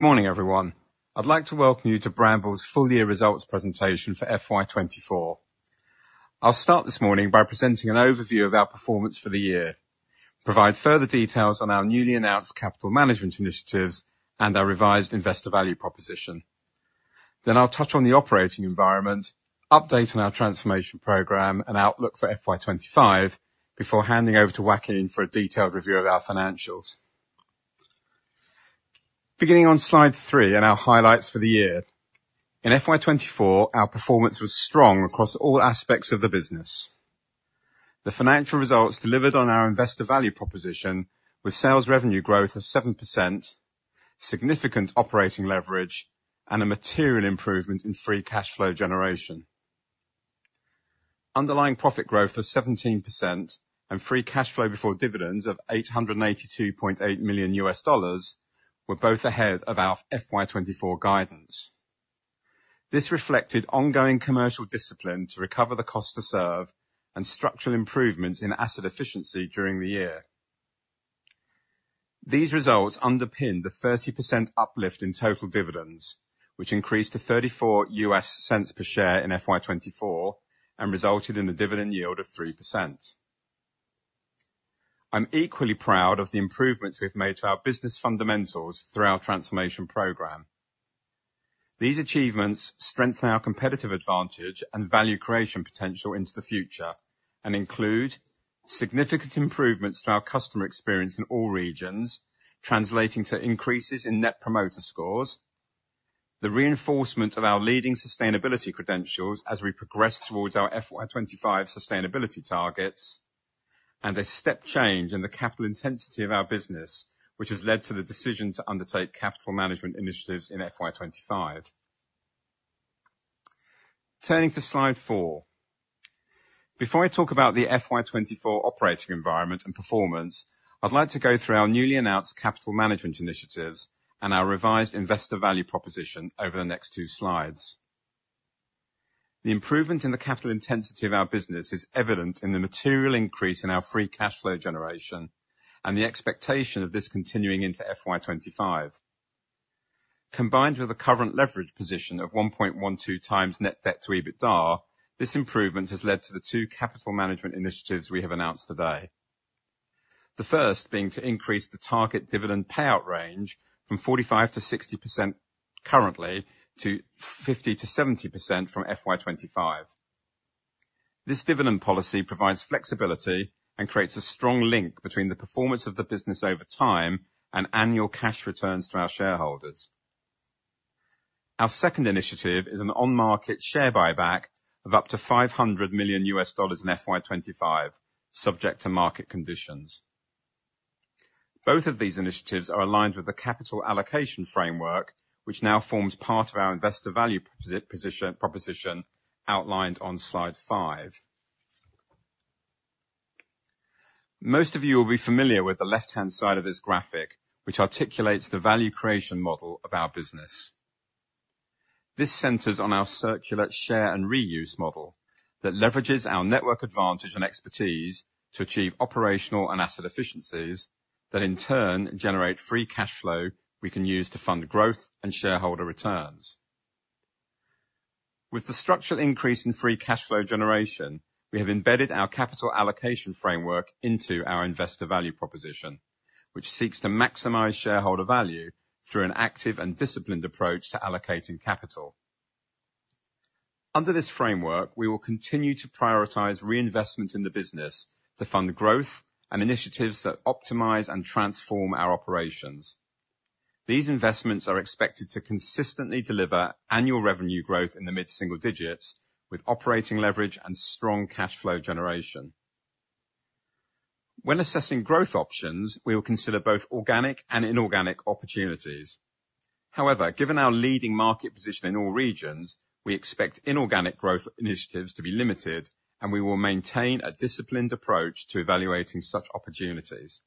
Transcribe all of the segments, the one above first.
Good morning, everyone. I'd like to welcome you to Brambles' full-year results presentation for FY 2024. I'll start this morning by presenting an overview of our performance for the year, provide further details on our newly announced capital management initiatives and our revised Investor Value Proposition. Then I'll touch on the operating environment, update on our transformation program and outlook for FY 2025, before handing over to Joaquin Andres for a detailed review of our financials. Beginning on slide 3, and our highlights for the year. In FY 2024, our performance was strong across all aspects of the business. The financial results delivered on our Investor Value Proposition, with sales revenue growth of 7%, significant operating leverage, and a material improvement in free cash flow generation. Underlying profit growth of 17% and free cash flow before dividends of $882.8 million were both ahead of our FY 2024 guidance. This reflected ongoing commercial discipline to recover the cost to serve and structural improvements in asset efficiency during the year. These results underpinned the 30% uplift in total dividends, which increased to $0.34 per share in FY 2024, and resulted in a dividend yield of 3%. I'm equally proud of the improvements we've made to our business fundamentals through our transformation program. These achievements strengthen our competitive advantage and value creation potential into the future, and include significant improvements to our Customer experience in all regions, translating to increases in Net Promoter Scores, the reinforcement of our leading sustainability credentials as we progress towards our FY 2025 sustainability targets, and a step change in the capital intensity of our business, which has led to the decision to undertake capital management initiatives in FY 2025. Turning to slide 4. Before I talk about the FY 2024 operating environment and performance, I'd like to go through our newly announced capital management initiatives and our revised Investor Value Proposition over the next two slides. The improvement in the capital intensity of our business is evident in the material increase in our free cash flow generation, and the expectation of this continuing into FY 2025. Combined with a current leverage position of 1.2x net debt to EBITDA, this improvement has led to the two capital management initiatives we have announced today. The first being to increase the target dividend payout range from 45%-60% currently, to 50%-70% from FY 2025. This dividend policy provides flexibility and creates a strong link between the performance of the business over time and annual cash returns to our shareholders. Our second initiative is an on-market share buyback of up to $500 million in FY 2025, subject to market conditions. Both of these initiatives are aligned with the capital allocation framework, which now forms part of our Investor Value Proposition, outlined on slide 5. Most of you will be familiar with the left-hand side of this graphic, which articulates the value creation model of our business. This centers on our circulate, share and reuse model that leverages our network advantage and expertise to achieve operational and asset efficiencies, that in turn generate free cash flow we can use to fund growth and shareholder returns. With the structural increase in free cashflow generation, we have embedded our capital allocation framework into our Investor Value Proposition, which seeks to maximize shareholder value through an active and disciplined approach to allocating capital. Under this framework, we will continue to prioritize reinvestment in the business to fund growth and initiatives that optimize and transform our operations. These investments are expected to consistently deliver annual revenue growth in the mid-single digits, with operating leverage and strong cashflow generation. When assessing growth options, we will consider both organic and inorganic opportunities. However, given our leading market position in all regions, we expect inorganic growth initiatives to be limited, and we will maintain a disciplined approach to evaluating such opportunities.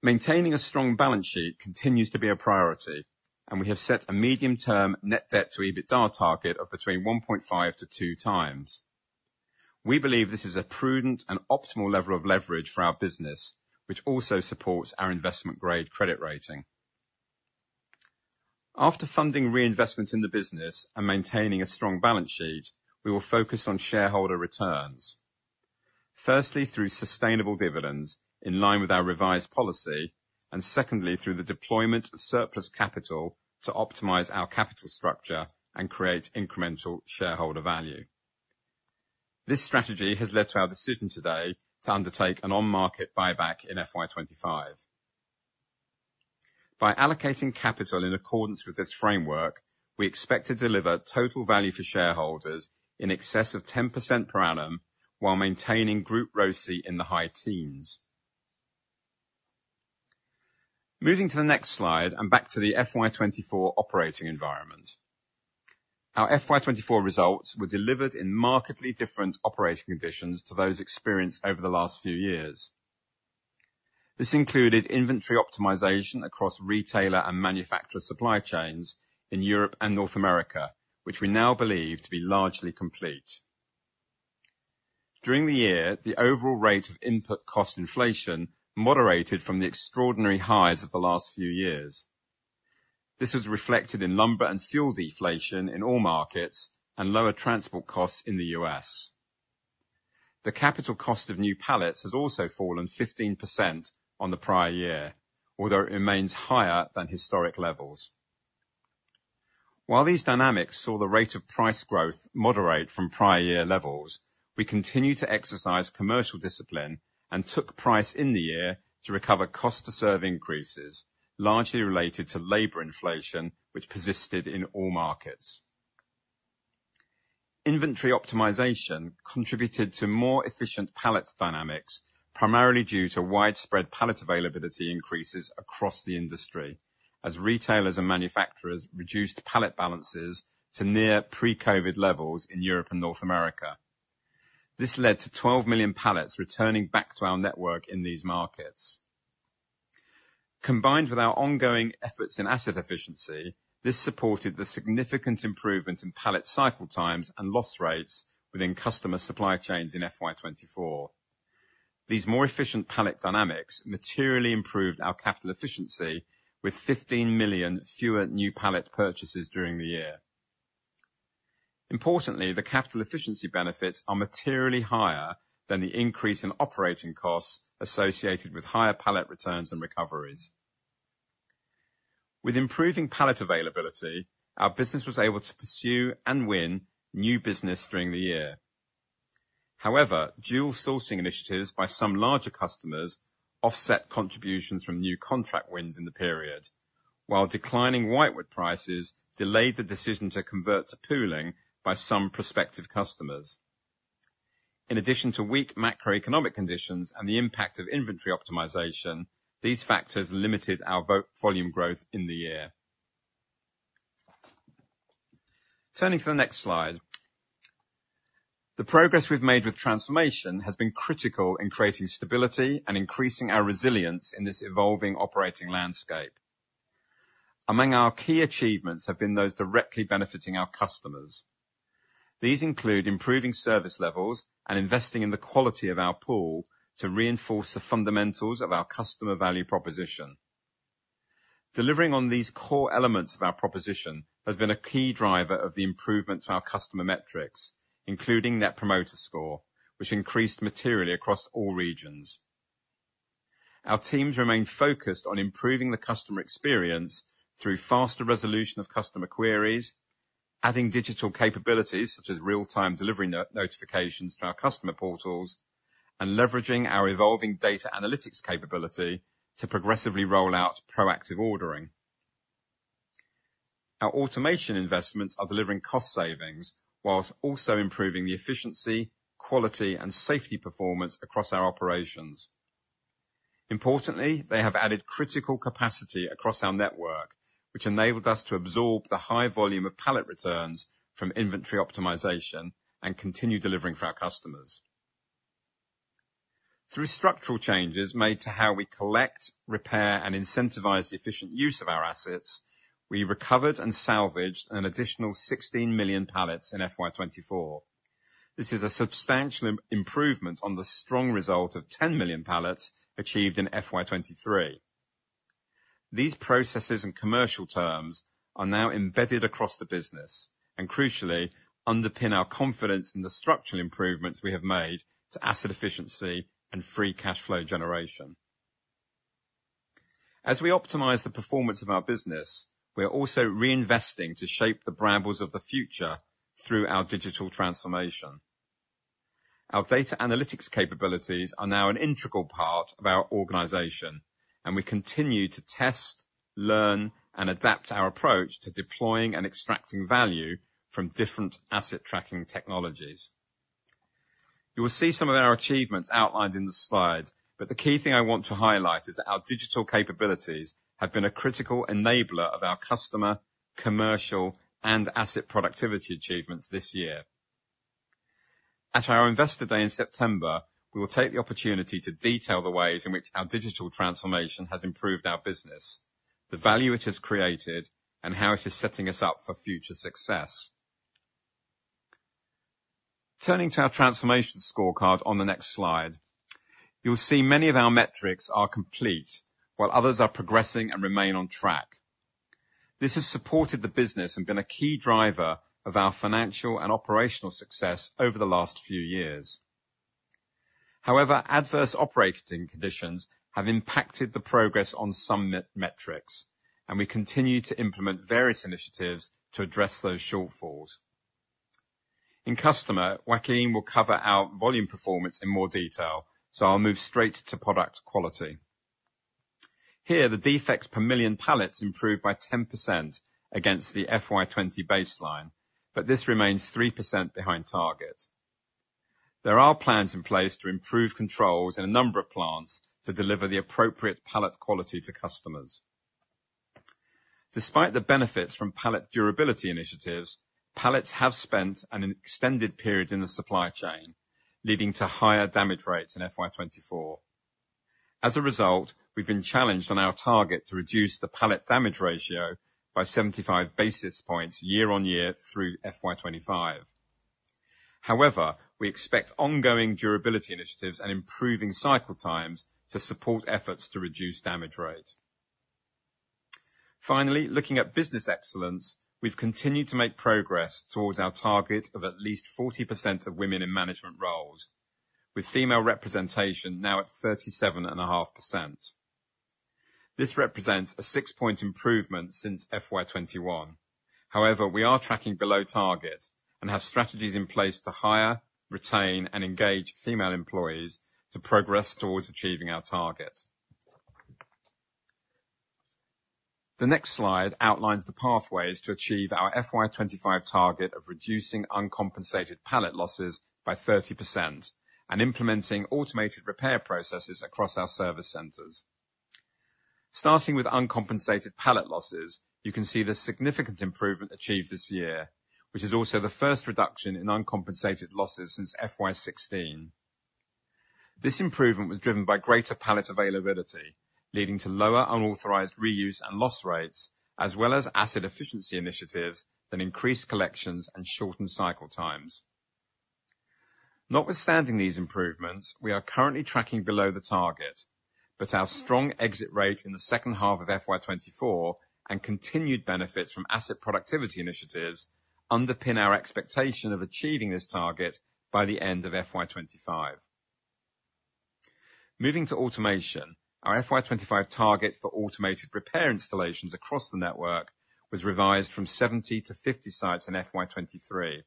Maintaining a strong balance sheet continues to be a priority, and we have set a medium-term net debt to EBITDA target of between 1.5x-2x. We believe this is a prudent and optimal level of leverage for our business, which also supports our investment-grade credit rating. After funding reinvestment in the business and maintaining a strong balance sheet, we will focus on shareholder returns. Firstly, through sustainable dividends in line with our revised policy, and secondly, through the deployment of surplus capital to optimize our capital structure and create incremental shareholder value. This strategy has led to our decision today to undertake an on-market buyback in FY 2025. By allocating capital in accordance with this framework, we expect to deliver total value for shareholders in excess of 10% per annum, while maintaining group ROCE in the high teens. Moving to the next slide, and back to the FY 2024 operating environment. Our FY 2024 results were delivered in markedly different operating conditions to those experienced over the last few years. This included inventory optimization across retailer and manufacturer supply chains in Europe and North America, which we now believe to be largely complete. During the year, the overall rate of input cost inflation moderated from the extraordinary highs of the last few years. This was reflected in lumber and fuel deflation in all markets, and lower transport costs in the U.S. The capital cost of new pallets has also fallen 15% on the prior year, although it remains higher than historic levels. While these dynamics saw the rate of price growth moderate from prior year levels, we continued to exercise commercial discipline and took price in the year to recover cost to serve increases, largely related to labor inflation, which persisted in all markets. Inventory optimization contributed to more efficient pallet dynamics, primarily due to widespread pallet availability increases across the industry, as retailers and manufacturers reduced pallet balances to near pre-COVID levels in Europe and North America. This led to 12 million pallets returning back to our network in these markets. Combined with our ongoing efforts in asset efficiency, this supported the significant improvement in pallet cycle times and loss rates within customer supply chains in FY 2024. These more efficient pallet dynamics materially improved our capital efficiency, with fifteen million fewer new pallet purchases during the year. Importantly, the capital efficiency benefits are materially higher than the increase in operating costs associated with higher pallet returns and recoveries. With improving pallet availability, our business was able to pursue and win new business during the year. However, dual sourcing initiatives by some larger customers offset contributions from new contract wins in the period, while declining whitewood prices delayed the decision to convert to pooling by some prospective customers. In addition to weak macroeconomic conditions and the impact of inventory optimization, these factors limited our volume growth in the year. Turning to the next slide. The progress we've made with transformation has been critical in creating stability and increasing our resilience in this evolving operating landscape. Among our key achievements have been those directly benefiting our customers. These include improving service levels and investing in the quality of our pool to reinforce the fundamentals of our customer value proposition. Delivering on these core elements of our proposition has been a key driver of the improvement to our customer metrics, including Net Promoter Scores, which increased materially across all regions. Our teams remain focused on improving the customer experience through faster resolution of customer queries, adding digital capabilities, such as real-time delivery notifications, to our customer portals, and leveraging our evolving data analytics capability to progressively roll out proactive ordering. Our automation investments are delivering cost savings while also improving the efficiency, quality, and safety performance across our operations. Importantly, they have added critical capacity across our network, which enabled us to absorb the high volume of pallet returns from inventory optimization and continue delivering for our customers. Through structural changes made to how we collect, repair, and incentivize the efficient use of our assets, we recovered and salvaged an additional 16 million pallets in FY 2024. This is a substantial improvement on the strong result of 10 million pallets achieved in FY 2023. These processes and commercial terms are now embedded across the business, and crucially, underpin our confidence in the structural improvements we have made to asset efficiency and free cash flow generation. As we optimize the performance of our business, we are also reinvesting to shape the Brambles of the future through our digital transformation. Our data analytics capabilities are now an integral part of our organization, and we continue to test, learn and adapt our approach to deploying and extracting value from different asset tracking technologies. You will see some of our achievements outlined in the slide, but the key thing I want to highlight is that our digital capabilities have been a critical enabler of our customer, commercial, and asset productivity achievements this year. At our Investor Day in September, we will take the opportunity to detail the ways in which our digital transformation has improved our business, the value it has created, and how it is setting us up for future success. Turning to our transformation scorecard on the next slide, you'll see many of our metrics are complete, while others are progressing and remain on track. This has supported the business and been a key driver of our financial and operational success over the last few years. However, adverse operating conditions have impacted the progress on some metrics, and we continue to implement various initiatives to address those shortfalls. In customer, Joaquin will cover our volume performance in more detail, so I'll move straight to Product Quality. Here, the defects per million pallets improved by 10% against the FY 2020 baseline, but this remains 3% behind target. There are plans in place to improve controls in a number of plants to deliver the appropriate pallet quality to customers. Despite the benefits from pallet durability initiatives, pallets have spent an extended period in the supply chain, leading to higher damage rates in FY 2024. As a result, we've been challenged on our target to reduce the pallet damage ratio by 75 basis points year-on-year through FY 2025. However, we expect ongoing durability initiatives and improving cycle times to support efforts to reduce damage rates. Finally, looking at Business Excellence, we've continued to make progress towards our target of at least 40% of women in management roles, with female representation now at 37.5%. This represents a 6-point improvement since FY 2021. However, we are tracking below target and have strategies in place to hire, retain, and engage female employees to progress towards achieving our target. The next slide outlines the pathways to achieve our FY 2025 target of reducing uncompensated pallet losses by 30% and implementing automated repair processes across our service centers. Starting with uncompensated pallet losses, you can see the significant improvement achieved this year, which is also the first reduction in uncompensated losses since FY 2016. This improvement was driven by greater pallet availability, leading to lower unauthorized reuse and loss rates, as well as asset efficiency initiatives and increased collections and shortened cycle times. Notwithstanding these improvements, we are currently tracking below the target, but our strong exit rate in the second half of FY 2024 and continued benefits from asset productivity initiatives underpin our expectation of achieving this target by the end of FY 2025. Moving to automation, our FY 2025 target for automated repair installations across the network was revised from 70-50 sites in FY 2023,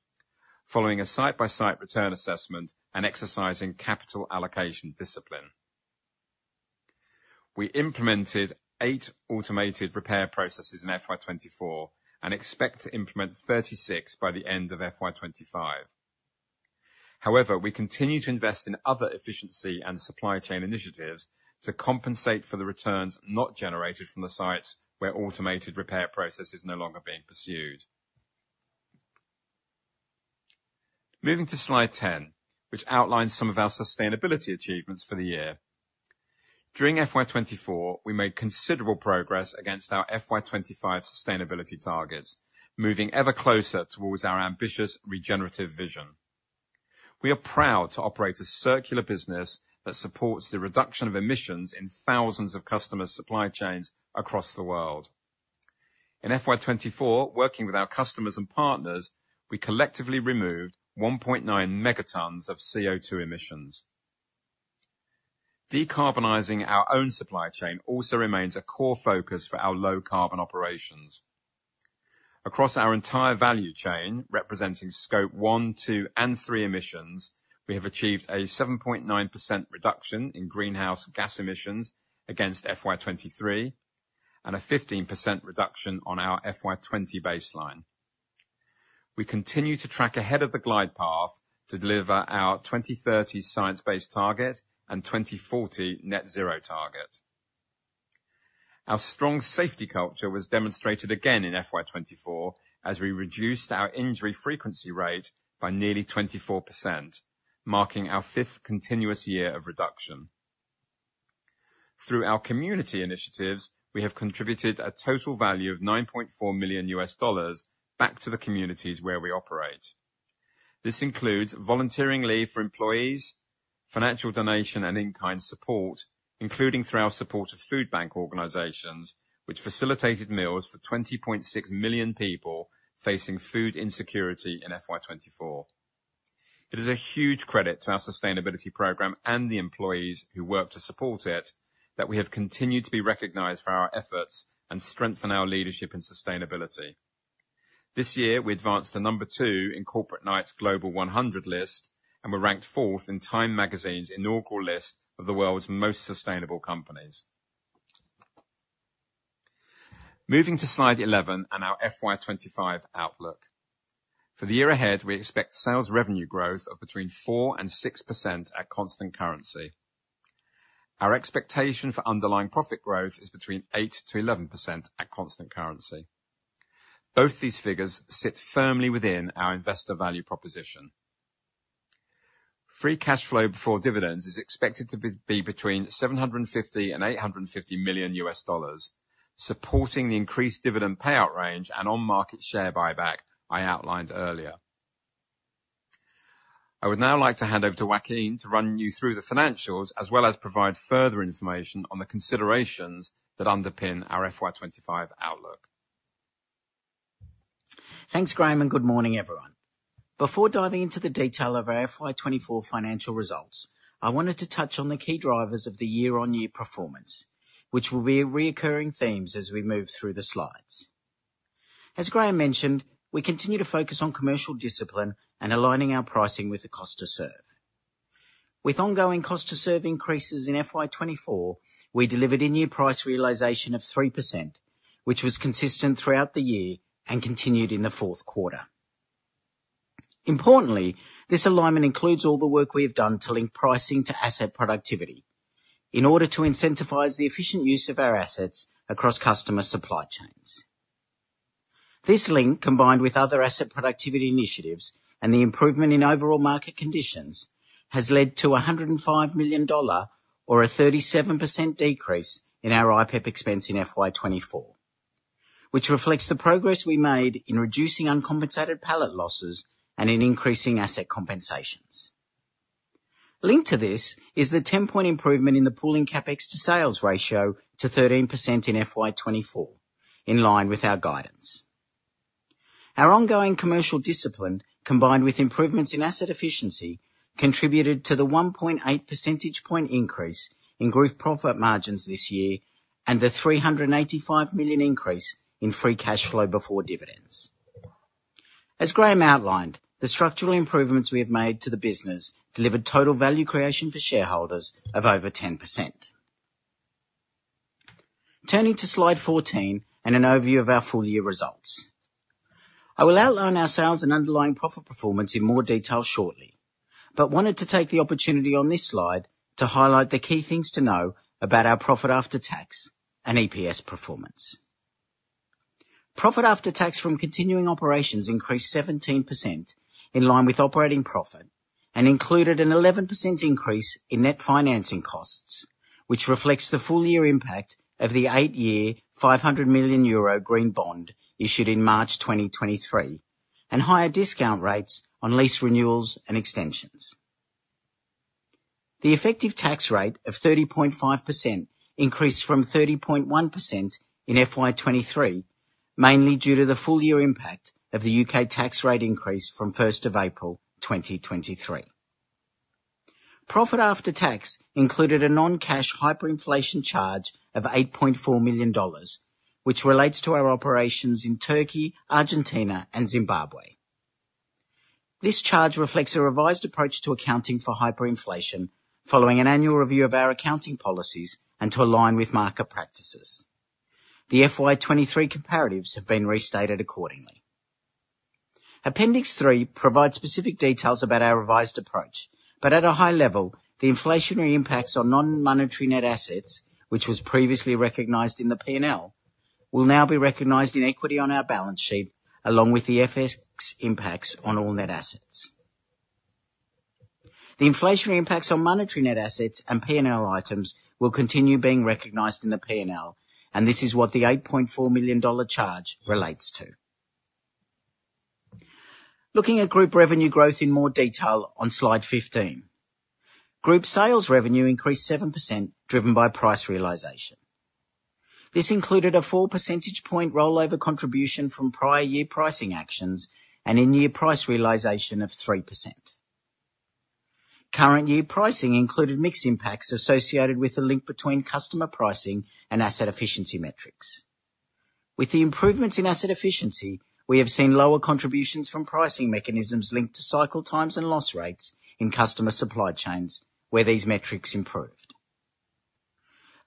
following a site-by-site return assessment and exercising capital allocation discipline. We implemented 8 automated repair processes in FY 2024 and expect to implement 36 by the end of FY 2025. However, we continue to invest in other efficiency and supply chain initiatives to compensate for the returns not generated from the sites where automated repair process is no longer being pursued. Moving to slide 10, which outlines some of our sustainability achievements for the year. During FY 2024, we made considerable progress against our FY 2025 sustainability targets, moving ever closer towards our ambitious regenerative vision. We are proud to operate a circular business that supports the reduction of emissions in thousands of customer supply chains across the world. In FY 2024, working with our customers and partners, we collectively removed 1.9 megatons of CO2 emissions. Decarbonizing our own supply chain also remains a core focus for our low-carbon operations. Across our entire value chain, representing Scope 1, 2, and 3 emissions, we have achieved a 7.9% reduction in greenhouse gas emissions against FY 2023 and a 15% reduction on our FY 2020 baseline. We continue to track ahead of the glide path to deliver our 2030 science-based target and 2040 net-zero target. Our strong safety culture was demonstrated again in FY 2024, as we reduced our injury frequency rate by nearly 24%, marking our 5th continuous year of reduction. Through our community initiatives, we have contributed a total value of $9.4 million back to the communities where we operate. This includes volunteering leave for employees, financial donation, and in-kind support, including through our support of food bank organizations, which facilitated meals for 20.6 million people facing food insecurity in FY 2024. It is a huge credit to our sustainability program and the employees who work to support it, that we have continued to be recognized for our efforts and strengthen our leadership and sustainability. This year, we advanced to number two in Corporate Knights Global 100 list, and we're ranked fourth in Time Magazine's inaugural list of the world's most sustainable companies. Moving to slide 11 and our FY 2025 outlook. For the year ahead, we expect sales revenue growth of between 4% and 6% at constant currency. Our expectation for underlying profit growth is between 8% and 11% at constant currency. Both these figures sit firmly within our Investor Value Proposition. Free cash flow before dividends is expected to be between $750 million and $850 million, supporting the increased dividend payout range and on-market share buyback I outlined earlier. I would now like to hand over to Joaquin to run you through the financials, as well as provide further information on the considerations that underpin our FY 2025 outlook. Thanks, Graham, and good morning, everyone. Before diving into the detail of our FY 2024 financial results, I wanted to touch on the key drivers of the year-on-year performance, which will be recurring themes as we move through the slides. As Graham mentioned, we continue to focus on commercial discipline and aligning our pricing with the cost to serve. With ongoing cost to serve increases in FY 2024, we delivered a new price realization of 3%, which was consistent throughout the year and continued in the fourth quarter. Importantly, this alignment includes all the work we have done to link pricing to asset productivity in order to incentivize the efficient use of our assets across customer supply chains.... This link, combined with other asset productivity initiatives and the improvement in overall market conditions, has led to $105 million, or a 37% decrease in our IPEP expense in FY 2024, which reflects the progress we made in reducing uncompensated pallet losses and in increasing asset compensations. Linked to this is the 10-point improvement in the pooling CapEx to sales ratio to 13% in FY 2024, in line with our guidance. Our ongoing commercial discipline, combined with improvements in asset efficiency, contributed to the 1.8 percentage point increase in group profit margins this year and the $385 million increase in free cash flow before dividends. As Graham outlined, the structural improvements we have made to the business delivered total value creation for shareholders of over 10%. Turning toslide 14 and an overview of our full-year results. I will outline our sales and underlying profit performance in more detail shortly, but wanted to take the opportunity on this slide to highlight the key things to know about our profit after tax and EPS performance. Profit after tax from continuing operations increased 17%, in line with operating profit, and included an 11% increase in net financing costs, which reflects the full year impact of the eight-year, 500 million euro green bond issued in March 2023, and higher discount rates on lease renewals and extensions. The effective tax rate of 30.5% increased from 30.1% in FY 2023, mainly due to the full year impact of the U.K. tax rate increase from first of April 2023. Profit after tax included a non-cash hyperinflation charge of $8.4 million, which relates to our operations in Turkey, Argentina and Zimbabwe. This charge reflects a revised approach to accounting for hyperinflation, following an annual review of our accounting policies and to align with market practices. The FY 2023 comparatives have been restated accordingly. Appendix 3 provides specific details about our revised approach, but at a high level, the inflationary impacts on non-monetary net assets, which was previously recognized in the P&L, will now be recognized in equity on our balance sheet, along with the FX impacts on all net assets. The inflationary impacts on monetary net assets and P&L items will continue being recognized in the P&L, and this is what the $8.4 million charge relates to. Looking at group revenue growth in more detail on slide 15. Group sales revenue increased 7%, driven by price realization. This included a four percentage point rollover contribution from prior year pricing actions and in year price realization of 3%. Current year pricing included mix impacts associated with the link between customer pricing and asset efficiency metrics. With the improvements in asset efficiency, we have seen lower contributions from pricing mechanisms linked to cycle times and loss rates in customer supply chains, where these metrics improved.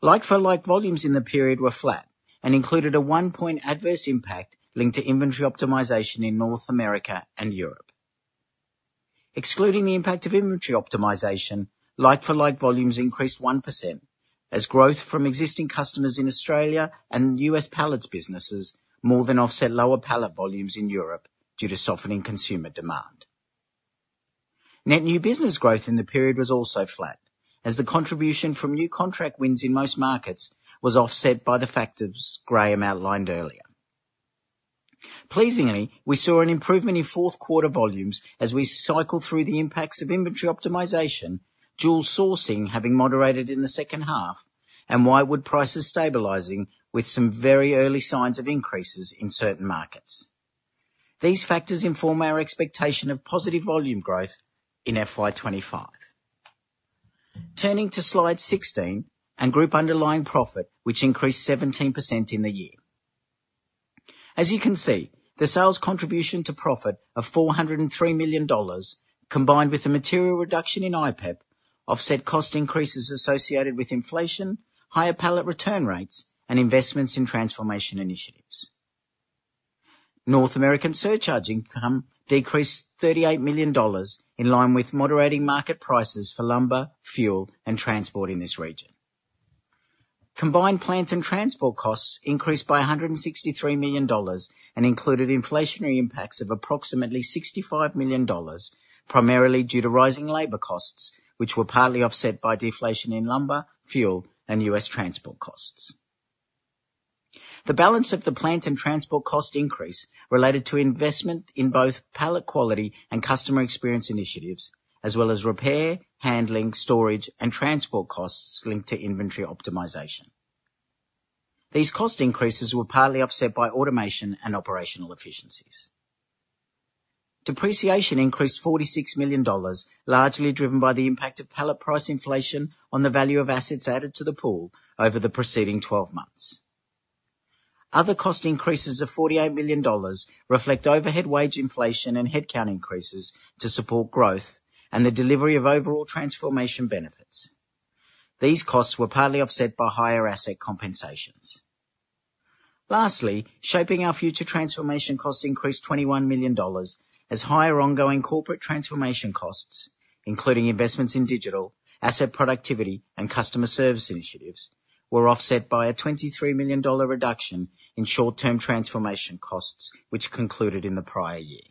Like-for-like volumes in the period were flat and included a one percentage point adverse impact linked to inventory optimization in North America and Europe. Excluding the impact of inventory optimization, like-for-like volumes increased 1%, as growth from existing customers in Australia and U.S. pallets businesses more than offset lower pallet volumes in Europe due to softening consumer demand. Net new business growth in the period was also flat, as the contribution from new contract wins in most markets was offset by the factors Graham outlined earlier. Pleasingly, we saw an improvement in fourth quarter volumes as we cycled through the impacts of inventory optimization, dual sourcing having moderated in the second half, and whitewood prices stabilizing with some very early signs of increases in certain markets. These factors inform our expectation of positive volume growth in FY 2025. Turning to slide 16 and group underlying profit, which increased 17% in the year. As you can see, the sales contribution to profit of $403 million, combined with a material reduction in IPEP, offset cost increases associated with inflation, higher pallet return rates, and investments in transformation initiatives. North American surcharge income decreased $38 million, in line with moderating market prices for lumber, fuel, and transport in this region. Combined plant and transport costs increased by $163 million and included inflationary impacts of approximately $65 million, primarily due to rising labor costs, which were partly offset by deflation in lumber, fuel, and U.S. transport costs. The balance of the plant and transport cost increase related to investment in both pallet quality and customer experience initiatives, as well as repair, handling, storage, and transport costs linked to inventory optimization. These cost increases were partly offset by automation and operational efficiencies. Depreciation increased $46 million, largely driven by the impact of pallet price inflation on the value of assets added to the pool over the preceding twelve months. Other cost increases of $48 million reflect overhead wage inflation and headcount increases to support growth and the delivery of overall transformation benefits. These costs were partly offset by higher asset compensations. Lastly, Shaping Our Future transformation costs increased $21 million, as higher ongoing corporate transformation costs, including investments in digital, asset productivity, and customer service initiatives, were offset by a $23 million reduction in short-term transformation costs, which concluded in the prior year.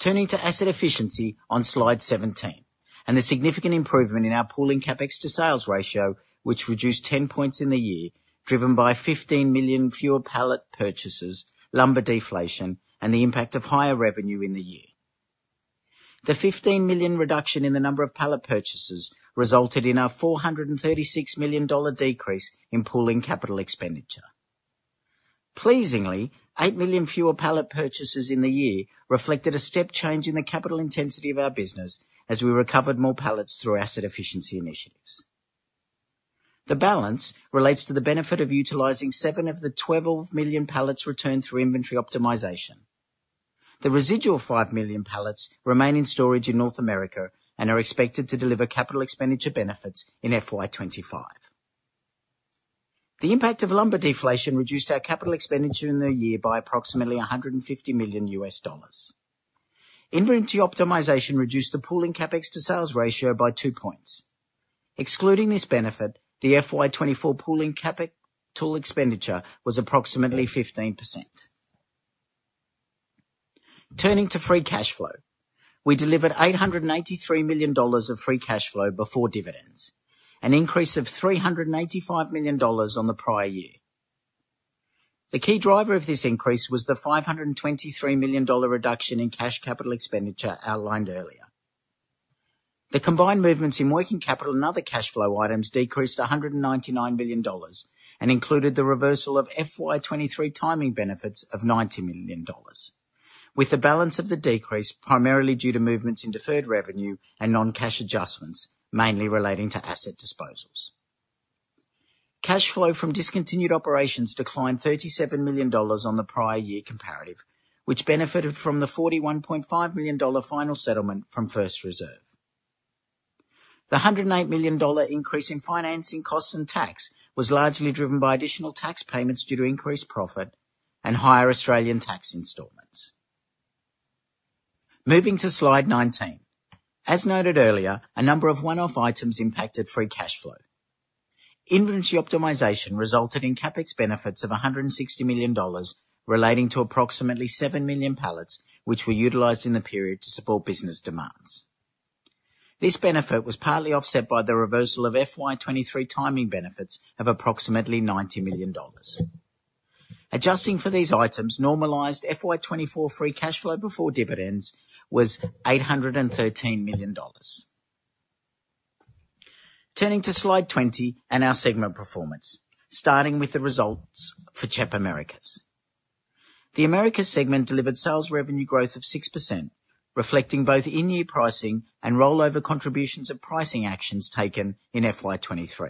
Turning to asset efficiency on slide 17, and the significant improvement in our pooling CapEx to sales ratio, which reduced 10 points in the year, driven by 15 million fewer pallet purchases, lumber deflation, and the impact of higher revenue in the year. The 15 million reduction in the number of pallet purchases resulted in a $436 million decrease in pooling capital expenditure. Pleasingly, 8 million fewer pallet purchases in the year reflected a step change in the capital intensity of our business, as we recovered more pallets through asset efficiency initiatives. The balance relates to the benefit of utilizing seven of the 12 million pallets returned through inventory optimization. The residual five million pallets remain in storage in North America and are expected to deliver capital expenditure benefits in FY 2025. The impact of lumber deflation reduced our capital expenditure in the year by approximately $150 million. Inventory optimization reduced the pooling CapEx to sales ratio by two points. Excluding this benefit, the FY 2024 pooling capital expenditure was approximately 15%. Turning to free cash flow, we delivered $883 million of free cash flow before dividends, an increase of $385 million on the prior year. The key driver of this increase was the $523 million reduction in cash capital expenditure outlined earlier. The combined movements in working capital and other cash flow items decreased $199 million and included the reversal of FY 2023 timing benefits of $90 million, with the balance of the decrease primarily due to movements in deferred revenue and non-cash adjustments, mainly relating to asset disposals. Cash flow from discontinued operations declined $37 million on the prior year comparative, which benefited from the $41.5 million final settlement from First Reserve. The $108 million increase in financing costs and tax was largely driven by additional tax payments due to increased profit and higher Australian tax installments. Moving toslide 19. As noted earlier, a number of one-off items impacted free cash flow. Inventory optimization resulted in CapEx benefits of $160 million, relating to approximately 7 million pallets, which were utilized in the period to support business demands. This benefit was partly offset by the reversal of FY 2023 timing benefits of approximately $90 million. Adjusting for these items, normalized FY 2024 free cash flow before dividends was $813 million. Turning toslide 20 and our segment performance, starting with the results for CHEP Americas. The Americas segment delivered sales revenue growth of 6%, reflecting both in-year pricing and rollover contributions of pricing actions taken in FY 2023.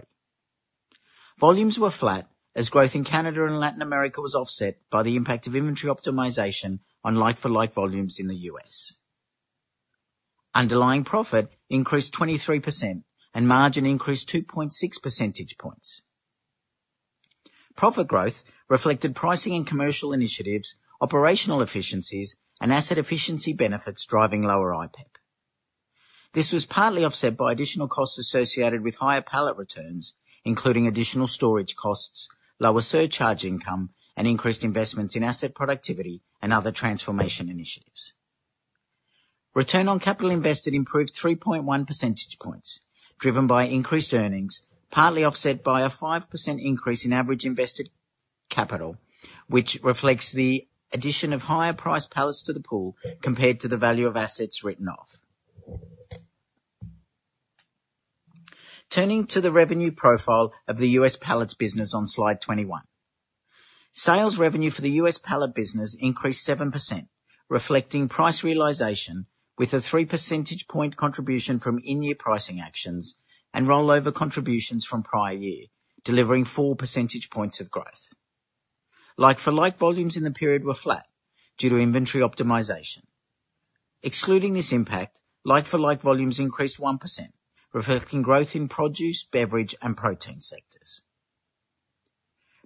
Volumes were flat, as growth in Canada and Latin America was offset by the impact of inventory optimization on like-for-like volumes in the U.S. Underlying profit increased 23%, and margin increased 2.6 percentage points. Profit growth reflected pricing and commercial initiatives, operational efficiencies, and asset efficiency benefits driving lower IPEP. This was partly offset by additional costs associated with higher pallet returns, including additional storage costs, lower surcharge income, and increased investments in asset productivity and other transformation initiatives. Return on capital invested improved 3.1 percentage points, driven by increased earnings, partly offset by a 5% increase in average invested capital, which reflects the addition of higher-priced pallets to the pool compared to the value of assets written off. Turning to the revenue profile of the U.S. pallets business on slide 21. Sales revenue for the U.S. pallet business increased 7%, reflecting price realization with a 3 percentage point contribution from in-year pricing actions and rollover contributions from prior year, delivering 4 percentage points of growth. Like-for-like volumes in the period were flat due to inventory optimization. Excluding this impact, like-for-like volumes increased 1%, reflecting growth in produce, beverage, and protein sectors.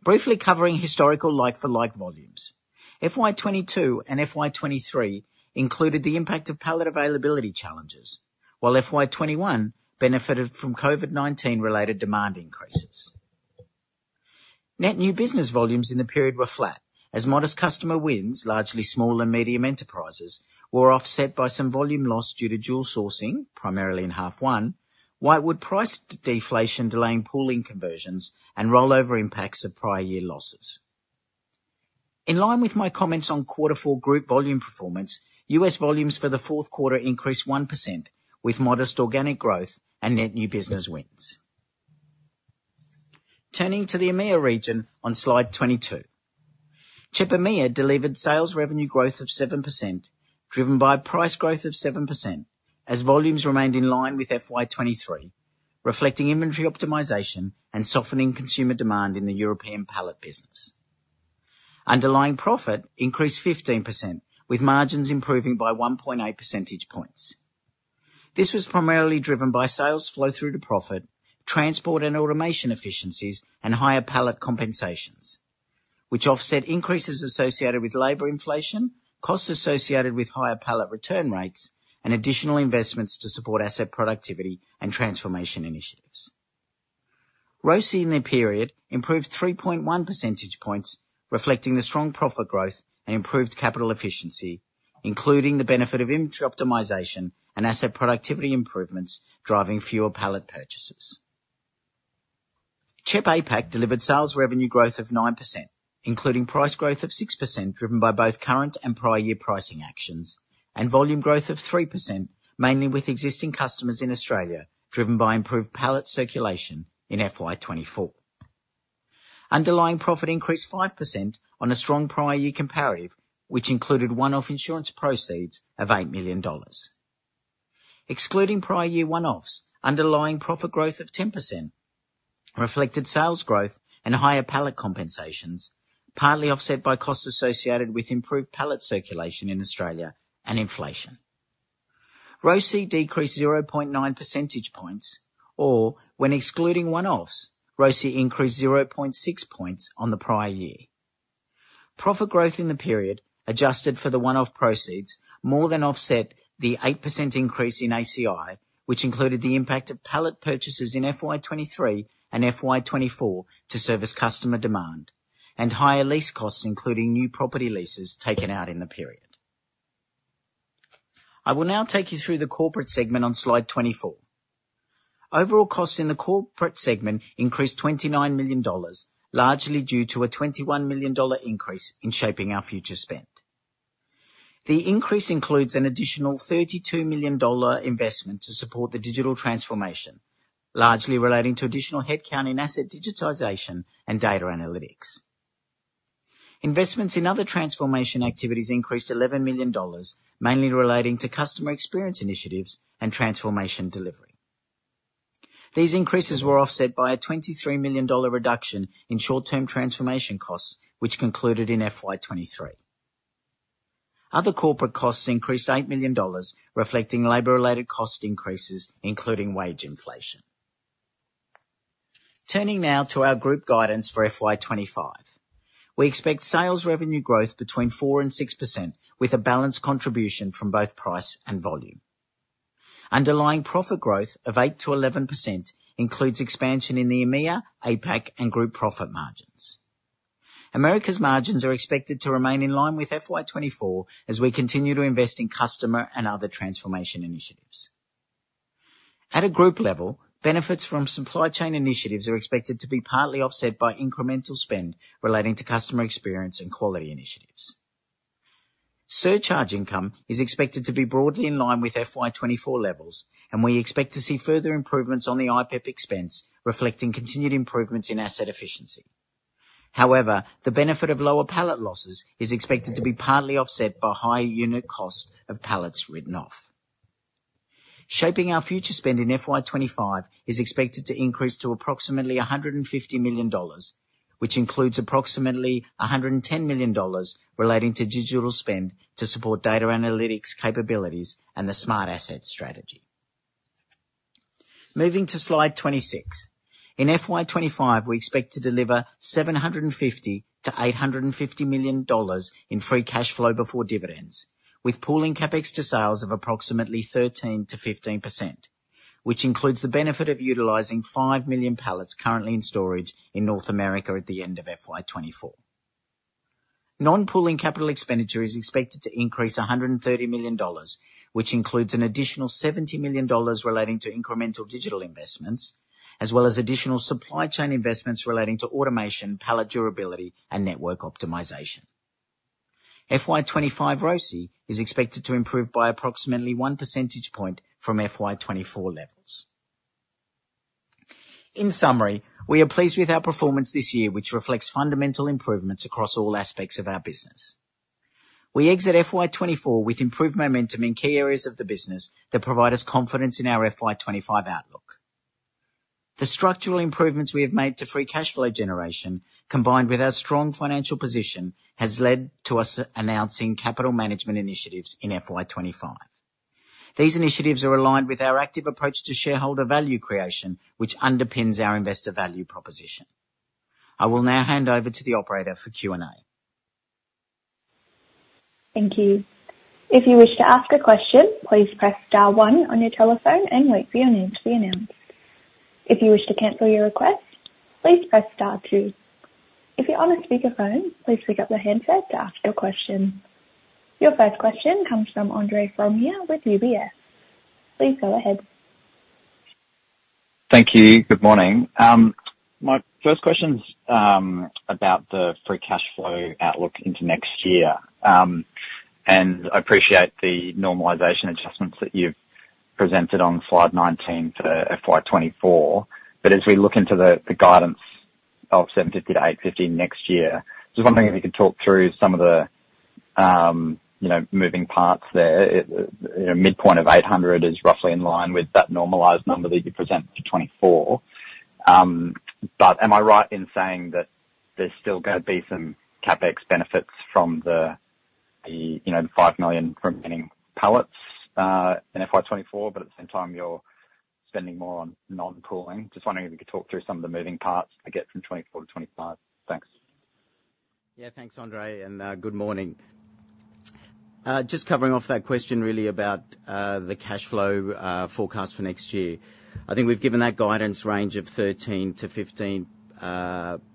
Briefly covering historical like-for-like volumes, FY 2022 and FY 2023 included the impact of pallet availability challenges, while FY 2021 benefited from COVID-19 related demand increases. Net new business volumes in the period were flat, as modest customer wins, largely small and medium enterprises, were offset by some volume loss due to dual sourcing, primarily in half one, softwood price deflation delaying pooling conversions and rollover impacts of prior year losses. In line with my comments on quarter four group volume performance, U.S. volumes for the fourth quarter increased 1%, with modest organic growth and net new business wins. Turning to the EMEA region on slide 22. CHEP EMEA delivered sales revenue growth of 7%, driven by price growth of 7%, as volumes remained in line with FY 2023, reflecting inventory optimization and softening consumer demand in the European pallet business. Underlying profit increased 15%, with margins improving by 1.8 percentage points. This was primarily driven by sales flow through to profit, transport and automation efficiencies, and higher pallet compensations, which offset increases associated with labor inflation, costs associated with higher pallet return rates, and additional investments to support asset productivity and transformation initiatives. ROCE in the period improved 3.1 percentage points, reflecting the strong profit growth and improved capital efficiency, including the benefit of inventory optimization and asset productivity improvements, driving fewer pallet purchases. CHEP APAC delivered sales revenue growth of 9%, including price growth of 6%, driven by both current and prior year pricing actions, and volume growth of 3%, mainly with existing customers in Australia, driven by improved pallet circulation in FY 2024. Underlying profit increased 5% on a strong prior year comparative, which included one-off insurance proceeds of $8 million. Excluding prior year one-offs, underlying profit growth of 10% reflected sales growth and higher pallet compensations, partly offset by costs associated with improved pallet circulation in Australia and inflation. ROCE decreased 0.9 percentage points, or when excluding one-offs, ROCE increased 0.6 percentage points on the prior year. Profit growth in the period, adjusted for the one-off proceeds, more than offset the 8% increase in ACI, which included the impact of pallet purchases in FY 2023 and FY 2024 to service customer demand and higher lease costs, including new property leases taken out in the period. I will now take you through the Corporate segment on slide 24. Overall costs in the Corporate segment increased $29 million, largely due to a $21 million increase in Shaping Our Future spend. The increase includes an additional $32 million investment to support the digital transformation, largely relating to additional headcount in asset digitization and data analytics. Investments in other transformation activities increased $11 million, mainly relating to customer experience initiatives and transformation delivery. These increases were offset by a $23 million reduction in short-term transformation costs, which concluded in FY 2023. Other corporate costs increased $8 million, reflecting labor-related cost increases, including wage inflation. Turning now to our group guidance for FY 2025. We expect sales revenue growth between 4% and 6%, with a balanced contribution from both price and volume. Underlying profit growth of 8%-11% includes expansion in the EMEA, APAC, and group profit margins. Americas' margins are expected to remain in line with FY 2024 as we continue to invest in customer and other transformation initiatives. At a group level, benefits from supply chain initiatives are expected to be partly offset by incremental spend relating to customer experience and quality initiatives. Surcharge income is expected to be broadly in line with FY 2024 levels, and we expect to see further improvements on the IPEP expense, reflecting continued improvements in asset efficiency. However, the benefit of lower pallet losses is expected to be partly offset by higher unit cost of pallets written off. Shaping Our Future spend in FY 2025 is expected to increase to approximately $150 million, which includes approximately $110 million relating to digital spend to support data analytics capabilities and the Smart Asset strategy. Moving to slide 26. In FY 2025, we expect to deliver $750 million-$850 million in free cash flow before dividends, with pooling CapEx to sales of approximately 13%-15%, which includes the benefit of utilizing 5 million pallets currently in storage in North America at the end of FY 2024. Non-pooling capital expenditure is expected to increase $130 million, which includes an additional $70 million relating to incremental digital investments, as well as additional supply chain investments relating to automation, pallet durability, and network optimization. FY 2025 ROCE is expected to improve by approximately one percentage point from FY 2024 levels. In summary, we are pleased with our performance this year, which reflects fundamental improvements across all aspects of our business. We exit FY 2024 with improved momentum in key areas of the business that provide us confidence in our FY 2025 outlook. The structural improvements we have made to free cash flow generation, combined with our strong financial position, has led to us announcing capital management initiatives in FY 2025. These initiatives are aligned with our active approach to shareholder value creation, which underpins our Investor Value Proposition. I will now hand over to the operator for Q&A. Thank you. If you wish to ask a question, please press star one on your telephone and wait for your name to be announced. If you wish to cancel your request, please press star two. If you're on a speakerphone, please pick up the handset to ask your question. Your first question comes from Andre Fromyhr with UBS. Please go ahead. Thank you. Good morning. My first question's about the free cash flow outlook into next year, and I appreciate the normalization adjustments that you've presented on slide 19 for FY 2024. But as we look into the guidance of $750 million-$850 million next year, just wondering if you could talk through some of the, you know, moving parts there. You know, midpoint of 800 is roughly in line with that normalized number that you presented for 2024. But am I right in saying that there's still gonna be some CapEx benefits from the, you know, the 5 million remaining pallets in FY 2024, but at the same time, you're spending more on non-pooling. Just wondering if you could talk through some of the moving parts I get from 2024-2025. Thanks. Yeah, thanks, Andre, and good morning. Just covering off that question really about the cashflow forecast for next year. I think we've given that guidance range of 13-15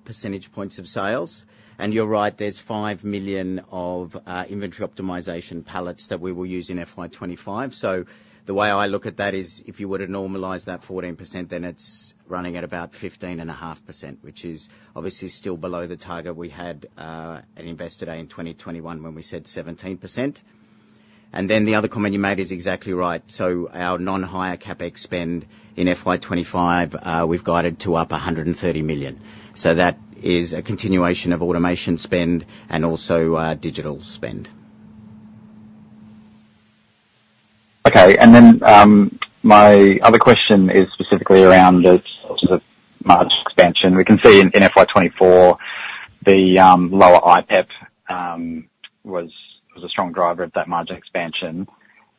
percentage points of sales. And you're right, there's 5 million of inventory optimization pallets that we will use in FY 2025. So the way I look at that is, if you were to normalize that 14%, then it's running at about 15.5%, which is obviously still below the target we had at Investor Day in 2021, when we said 17%. And then the other comment you made is exactly right. So our non-hire CapEx spend in FY 2025, we've guided to up $130 million. So that is a continuation of automation spend and also digital spend. Okay. And then my other question is specifically around the sorts of margin expansion. We can see in FY 2024, the lower IPEP was a strong driver of that margin expansion.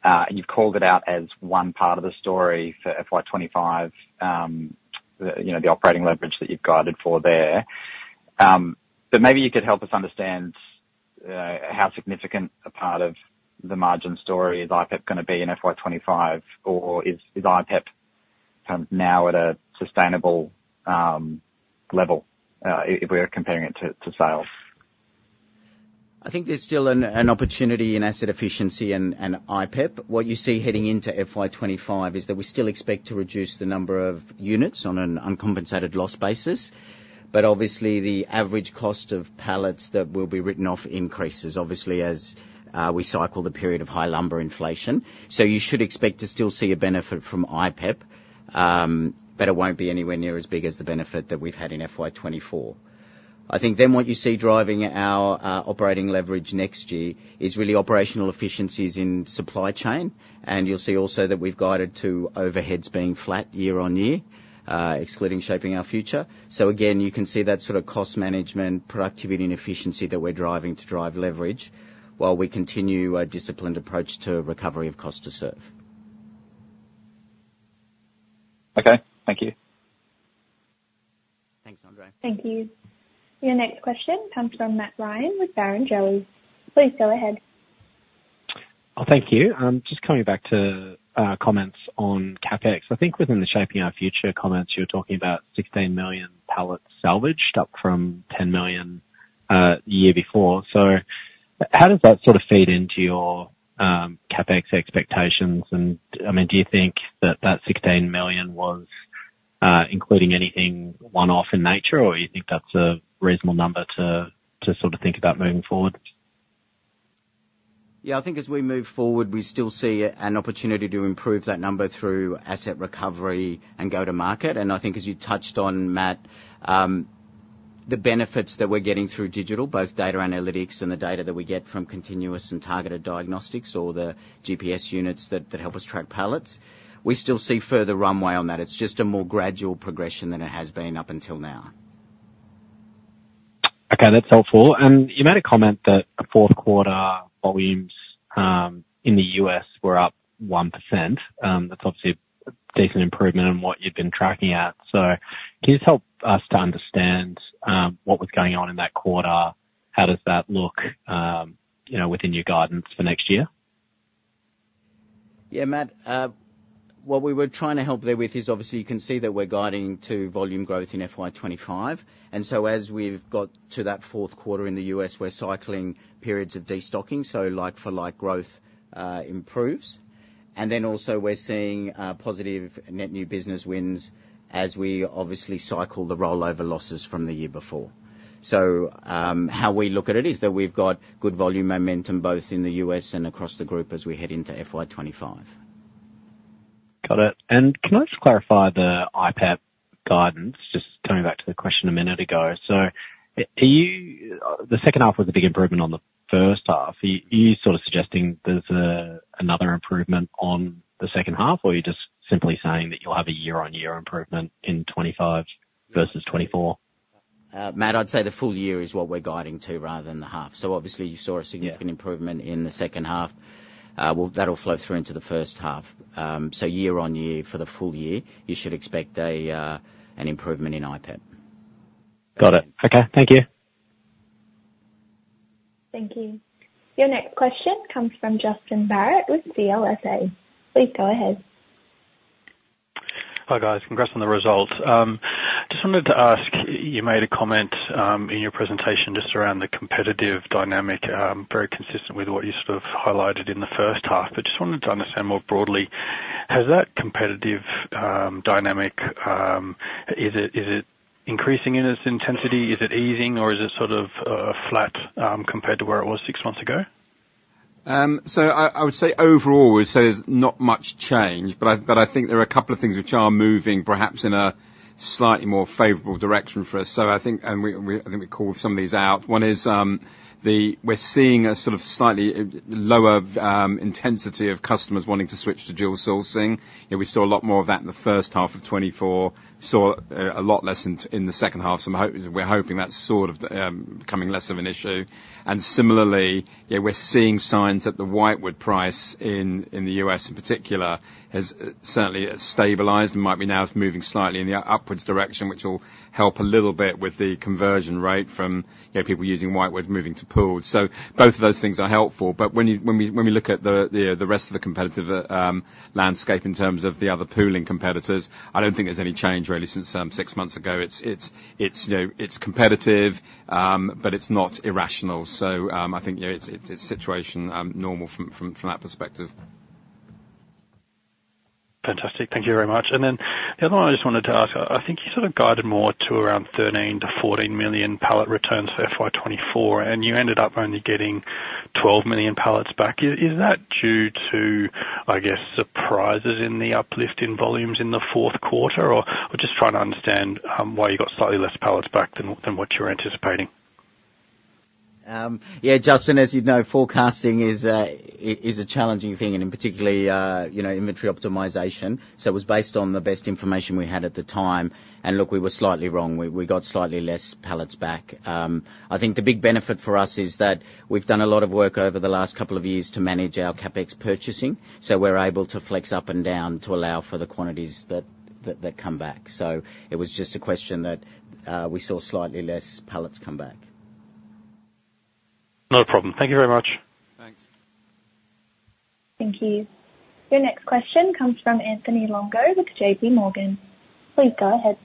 And you've called it out as one part of the story for FY 2025, you know, the operating leverage that you've guided for there. But maybe you could help us understand how significant a part of the margin story is IPEP gonna be in FY 2025, or is IPEP now at a sustainable level if we're comparing it to sales? I think there's still an opportunity in asset efficiency and IPEP. What you see heading into FY 2025 is that we still expect to reduce the number of units on an uncompensated loss basis. But obviously, the average cost of pallets that will be written off increases, obviously, as we cycle the period of high lumber inflation. So you should expect to still see a benefit from IPEP, but it won't be anywhere near as big as the benefit that we've had in FY 2024. I think then what you see driving our operating leverage next year is really operational efficiencies in supply chain, and you'll see also that we've guided to overheads being flat year-on-year, excluding Shaping Our Future. So again, you can see that sort of cost management, productivity and efficiency that we're driving to drive leverage while we continue a disciplined approach to recovery of cost to serve. Okay, thank you. Thanks, Andre. Thank you. Your next question comes from Matt Ryan with Barrenjoey. Please go ahead. Oh, thank you. Just coming back to comments on CapEx. I think within the Shaping Our Future comments, you were talking about 16 million pallets salvaged, up from 10 million, the year before. So how does that sort of feed into your CapEx expectations? And, I mean, do you think that that 16 million was including anything one-off in nature, or you think that's a reasonable number to sort of think about moving forward? Yeah, I think as we move forward, we still see an opportunity to improve that number through asset recovery and go-to-market. And I think as you touched on, Matt, the benefits that we're getting through digital, both data analytics and the data that we get from continuous and targeted diagnostics or the GPS units that help us track pallets, we still see further runway on that. It's just a more gradual progression than it has been up until now. Okay, that's helpful. And you made a comment that the fourth quarter volumes in the U.S. were up 1%. That's obviously a decent improvement on what you've been tracking at. So can you just help us to understand what was going on in that quarter? How does that look, you know, within your guidance for next year? Yeah, Matt, what we were trying to help there with is, obviously, you can see that we're guiding to volume growth in FY 2025, and so as we've got to that fourth quarter in the U.S., we're cycling periods of destocking, so like-for-like growth improves, and then also we're seeing positive net new business wins as we obviously cycle the rollover losses from the year before, so how we look at it is that we've got good volume momentum, both in the U.S. and across the group as we head into FY 2025. Got it. And can I just clarify the IPEP guidance, just coming back to the question a minute ago? So, do you, the second half was a big improvement on the first half. Are you sort of suggesting there's another improvement on the second half, or are you just simply saying that you'll have a year-on-year improvement in 2025 versus 2024? Matt, I'd say the full year is what we're guiding to, rather than the half. So obviously you saw significant improvement in the second half. Well, that'll flow through into the first half. So year-on-year for the full year, you should expect an improvement in IPEP. Got it. Okay, thank you. Thank you. Your next question comes from Justin Barratt with CLSA. Please go ahead. Hi, guys. Congrats on the results. Just wanted to ask, you made a comment in your presentation just around the competitive dynamic, very consistent with what you sort of highlighted in the first half. But just wanted to understand more broadly, has that competitive dynamic, is it, is it increasing in its intensity, is it easing, or is it sort of flat, compared to where it was 6 months ago? So I would say overall, we'd say there's not much change, but I think there are a couple of things which are moving perhaps in a slightly more favorable direction for us. So I think and we I think we called some of these out. One is, we're seeing a sort of slightly lower intensity of customers wanting to switch to dual sourcing. You know, we saw a lot more of that in the first half of 2024. We saw a lot less in the second half, so I'm hoping, we're hoping that's sort of becoming less of an issue. And similarly, yeah, we're seeing signs that the whitewood price in the U.S. in particular has certainly stabilized and might be now moving slightly in the upwards direction, which will help a little bit with the conversion rate from, you know, people using whitewood moving to pooled. So both of those things are helpful, but when we look at the rest of the competitive landscape in terms of the other pooling competitors, I don't think there's any change really since six months ago. It's, you know, it's competitive, but it's not irrational. So, I think, you know, it's situation normal from that perspective. Fantastic. Thank you very much. And then the other one I just wanted to ask. I think you sort of guided more to around 13-14 million pallet returns for FY 2024, and you ended up only getting 12 million pallets back. Is that due to, I guess, surprises in the uplift in volumes in the fourth quarter? Or I'm just trying to understand why you got slightly less pallets back than what you were anticipating. Yeah, Justin, as you know, forecasting is a challenging thing, and in particular, inventory optimization. So it was based on the best information we had at the time. And look, we were slightly wrong. We got slightly less pallets back. I think the big benefit for us is that we've done a lot of work over the last couple of years to manage our CapEx purchasing, so we're able to flex up and down to allow for the quantities that come back. So it was just a question that we saw slightly less pallets come back. No problem. Thank you very much. Thanks. Thank you. Your next question comes from Anthony Longo with JPMorgan. Please go ahead.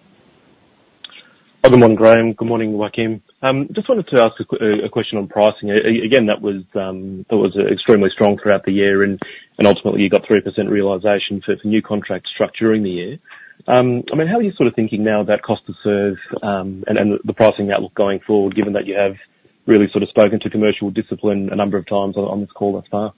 Good morning, Graham. Good morning, Joaquin. Just wanted to ask a question on pricing. Again, that was extremely strong throughout the year, and ultimately you got 3% realization for new contract structuring the year. I mean, how are you sort of thinking now about cost to serve, and the pricing outlook going forward, given that you have really sort of spoken to commercial discipline a number of times on this call thus far?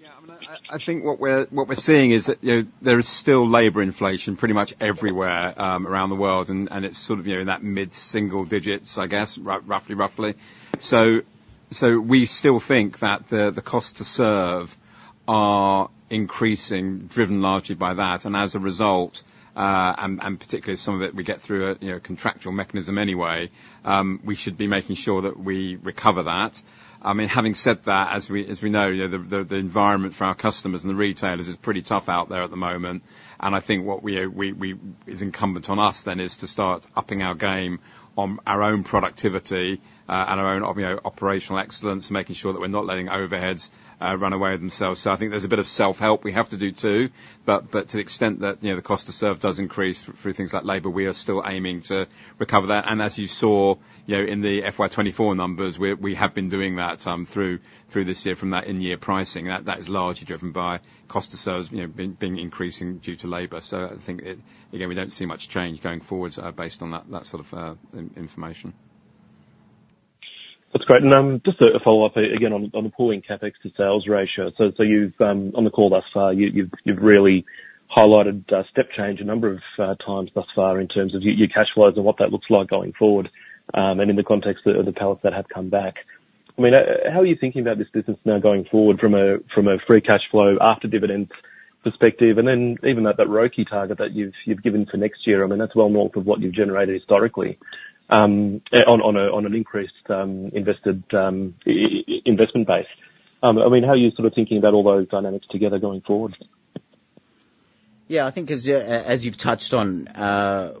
Yeah, I mean, I think what we're seeing is that, you know, there is still labor inflation pretty much everywhere around the world, and it's sort of, you know, in that mid-single digits, I guess, roughly. So we still think that the cost to serve are increasing, driven largely by that, and as a result, particularly some of it, we get through a contractual mechanism anyway, we should be making sure that we recover that. I mean, having said that, as we know, you know, the environment for our customers and the retailers is pretty tough out there at the moment. And I think what we are we it's incumbent on us then to start upping our game on our own productivity and our own, you know, operational excellence, making sure that we're not letting overheads run away with themselves. So I think there's a bit of self-help we have to do, too. But to the extent that, you know, the cost to serve does increase through things like labor, we are still aiming to recover that. And as you saw, you know, in the FY 2024 numbers, we have been doing that through this year from that in-year pricing. That is largely driven by cost to serve, you know, being increasing due to labor. So I think, again, we don't see much change going forward based on that sort of information. That's great, and just a follow-up again on the pooling CapEx to sales ratio. So you've on the call thus far, you've really highlighted step change a number of times thus far in terms of your cash flows and what that looks like going forward, and in the context of the pallets that have come back. I mean, how are you thinking about this business now going forward from a free cash flow after dividends perspective, and then even that ROCE target that you've given to next year? I mean, that's well north of what you've generated historically, on an increased investment base. I mean, how are you sort of thinking about all those dynamics together going forward? Yeah, I think as you, as you've touched on,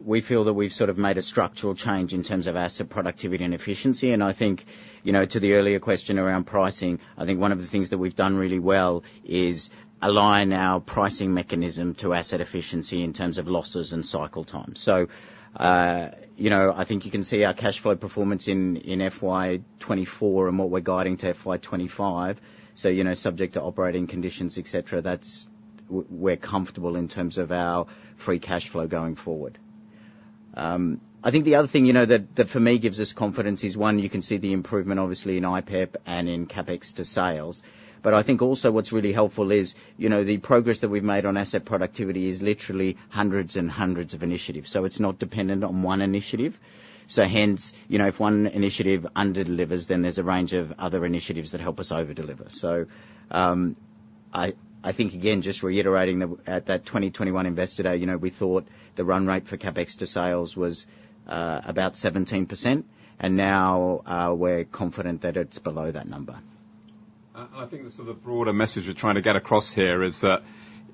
we feel that we've sort of made a structural change in terms of asset productivity and efficiency. And I think, you know, to the earlier question around pricing, I think one of the things that we've done really well is align our pricing mechanism to asset efficiency in terms of losses and cycle time. So, you know, I think you can see our cash flow performance in FY 2024 and what we're guiding to FY 2025. So, you know, subject to operating conditions, etc., that's we're comfortable in terms of our free cash flow going forward. I think the other thing, you know, that for me gives us confidence is, one, you can see the improvement obviously in IPEP and in CapEx to sales. But I think also what's really helpful is, you know, the progress that we've made on asset productivity is literally hundreds and hundreds of initiatives, so it's not dependent on one initiative. So hence, you know, if one initiative under-delivers, then there's a range of other initiatives that help us over-deliver. So, I think, again, just reiterating that at that 2021 Investor Day, you know, we thought the run rate for CapEx to sales was, about 17%, and now, we're confident that it's below that number. And I think the sort of broader message we're trying to get across here is that,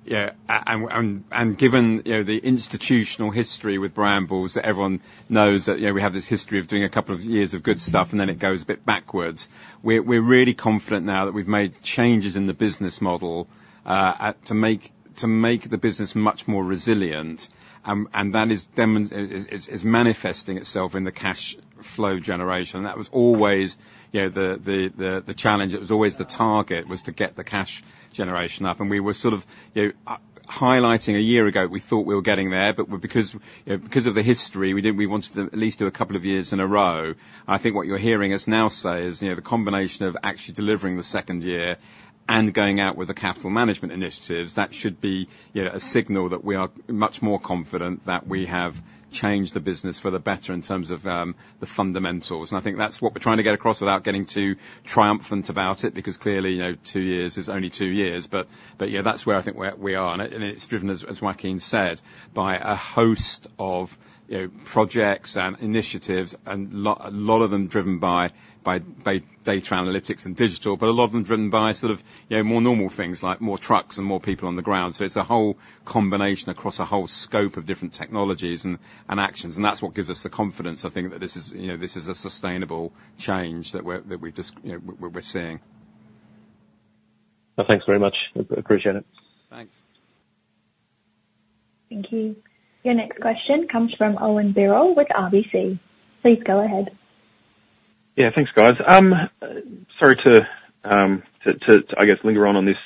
you know, given the institutional history with Brambles, everyone knows that, you know, we have this history of doing a couple of years of good stuff, and then it goes a bit backwards. We're really confident now that we've made changes in the business model to make the business much more resilient. And that is manifesting itself in the cash flow generation. That was always, you know, the challenge, it was always the target, was to get the cash generation up, and we were sort of, you know. Highlighting a year ago, we thought we were getting there, but because, because of the history, we didn't. We wanted to at least do a couple of years in a row. I think what you're hearing us now say is, you know, the combination of actually delivering the second year and going out with the capital management initiatives, that should be, you know, a signal that we are much more confident that we have changed the business for the better in terms of the fundamentals. And I think that's what we're trying to get across without getting too triumphant about it, because clearly, you know, two years is only two years. Yeah, that's where I think we are, and it's driven, as Joaquin said, by a host of, you know, projects and initiatives, and a lot of them driven by data analytics and digital, but a lot of them driven by sort of, you know, more normal things, like more trucks and more people on the ground. So it's a whole combination across a whole scope of different technologies and actions, and that's what gives us the confidence, I think, that this is, you know, this is a sustainable change that we're just, you know, we're seeing. Thanks very much. I appreciate it. Thanks. Thank you. Your next question comes from Owen Birrell with RBC. Please go ahead. Yeah, thanks, guys. Sorry to, I guess, linger on this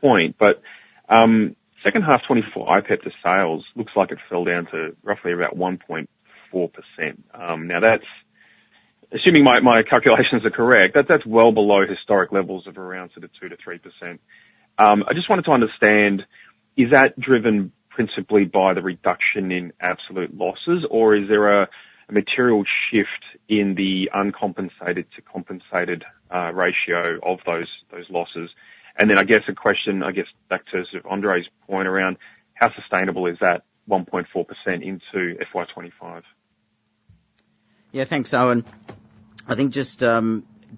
point, but second half 2024, IPEP to sales, looks like it fell down to roughly about 1.4%. Now, that's assuming my calculations are correct, that's well below historic levels of around sort of 2%-3%. I just wanted to understand, is that driven principally by the reduction in absolute losses, or is there a material shift in the uncompensated to compensated ratio of those losses? And then, a question back to sort of Andre's point around, how sustainable is that 1.4% into FY 2025? Yeah, thanks, Owen. I think just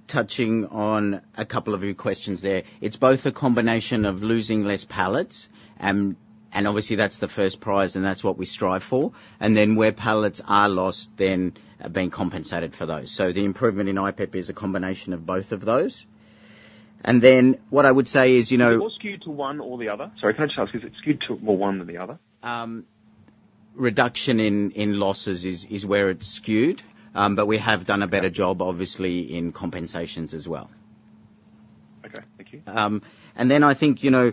touching on a couple of your questions there. It's both a combination of losing less pallets, and obviously that's the first prize, and that's what we strive for, and then where pallets are lost, then being compensated for those. So the improvement in IPEP is a combination of both of those. And then what I would say is, you know. More skewed to one or the other? Sorry, can I just ask, is it skewed to more one than the other? Reduction in losses is where it's skewed. But we have done a better job, obviously, in compensations as well. Okay, thank you. And then I think, you know,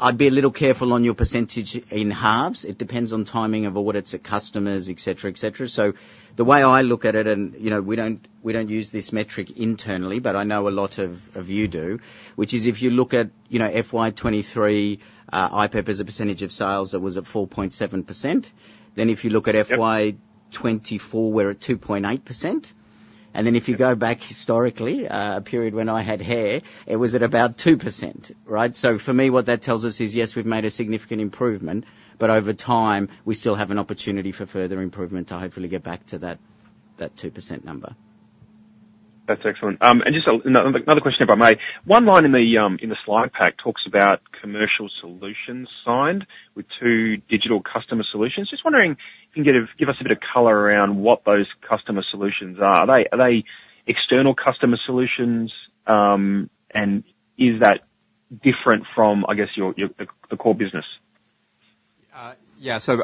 I'd be a little careful on your percentage in halves. It depends on timing of audits at customers, etc. So the way I look at it, and, you know, we don't use this metric internally, but I know a lot of you do, which is if you look at, you know, FY 2023, IPEP as a percentage of sales, it was at 4.7%. Then if you look at FY 2024, we're at 2.8%. And then if you go back historically, a period when I had hair, it was at about 2%, right? So for me, what that tells us is, yes, we've made a significant improvement, but over time, we still have an opportunity for further improvement to hopefully get back to that, that 2% number. That's excellent, and just another question, if I may. One line in the slide pack talks about Commercial Solutions signed with two Digital Customer Solutions. Just wondering if you can give us a bit of color around what those Customer Solutions are. Are they external Customer Solutions? And is that different from, I guess, your core business? Yeah. So,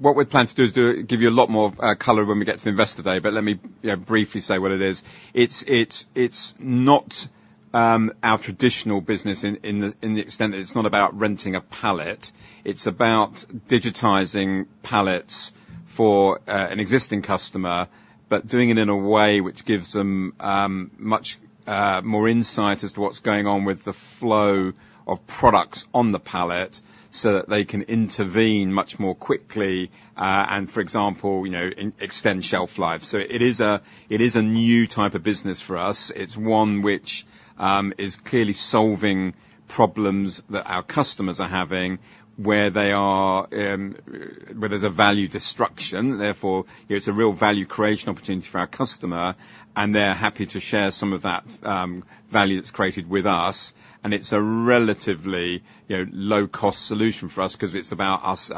what we plan to do is give you a lot more color when we get to Investor Day, but let me, you know, briefly say what it is. It's not our traditional business in the extent that it's not about renting a pallet. It's about digitizing pallets for an existing customer, but doing it in a way which gives them much more insight as to what's going on with the flow of products on the pallet, so that they can intervene much more quickly, and for example, you know, to extend shelf life. So it is a new type of business for us. It's one which is clearly solving problems that our customers are having, where they are, where there's a value destruction, therefore, it's a real value creation opportunity for our customer, and they're happy to share some of that value that's created with us, and it's a relatively, you know, low-cost solution for us 'cause it's about us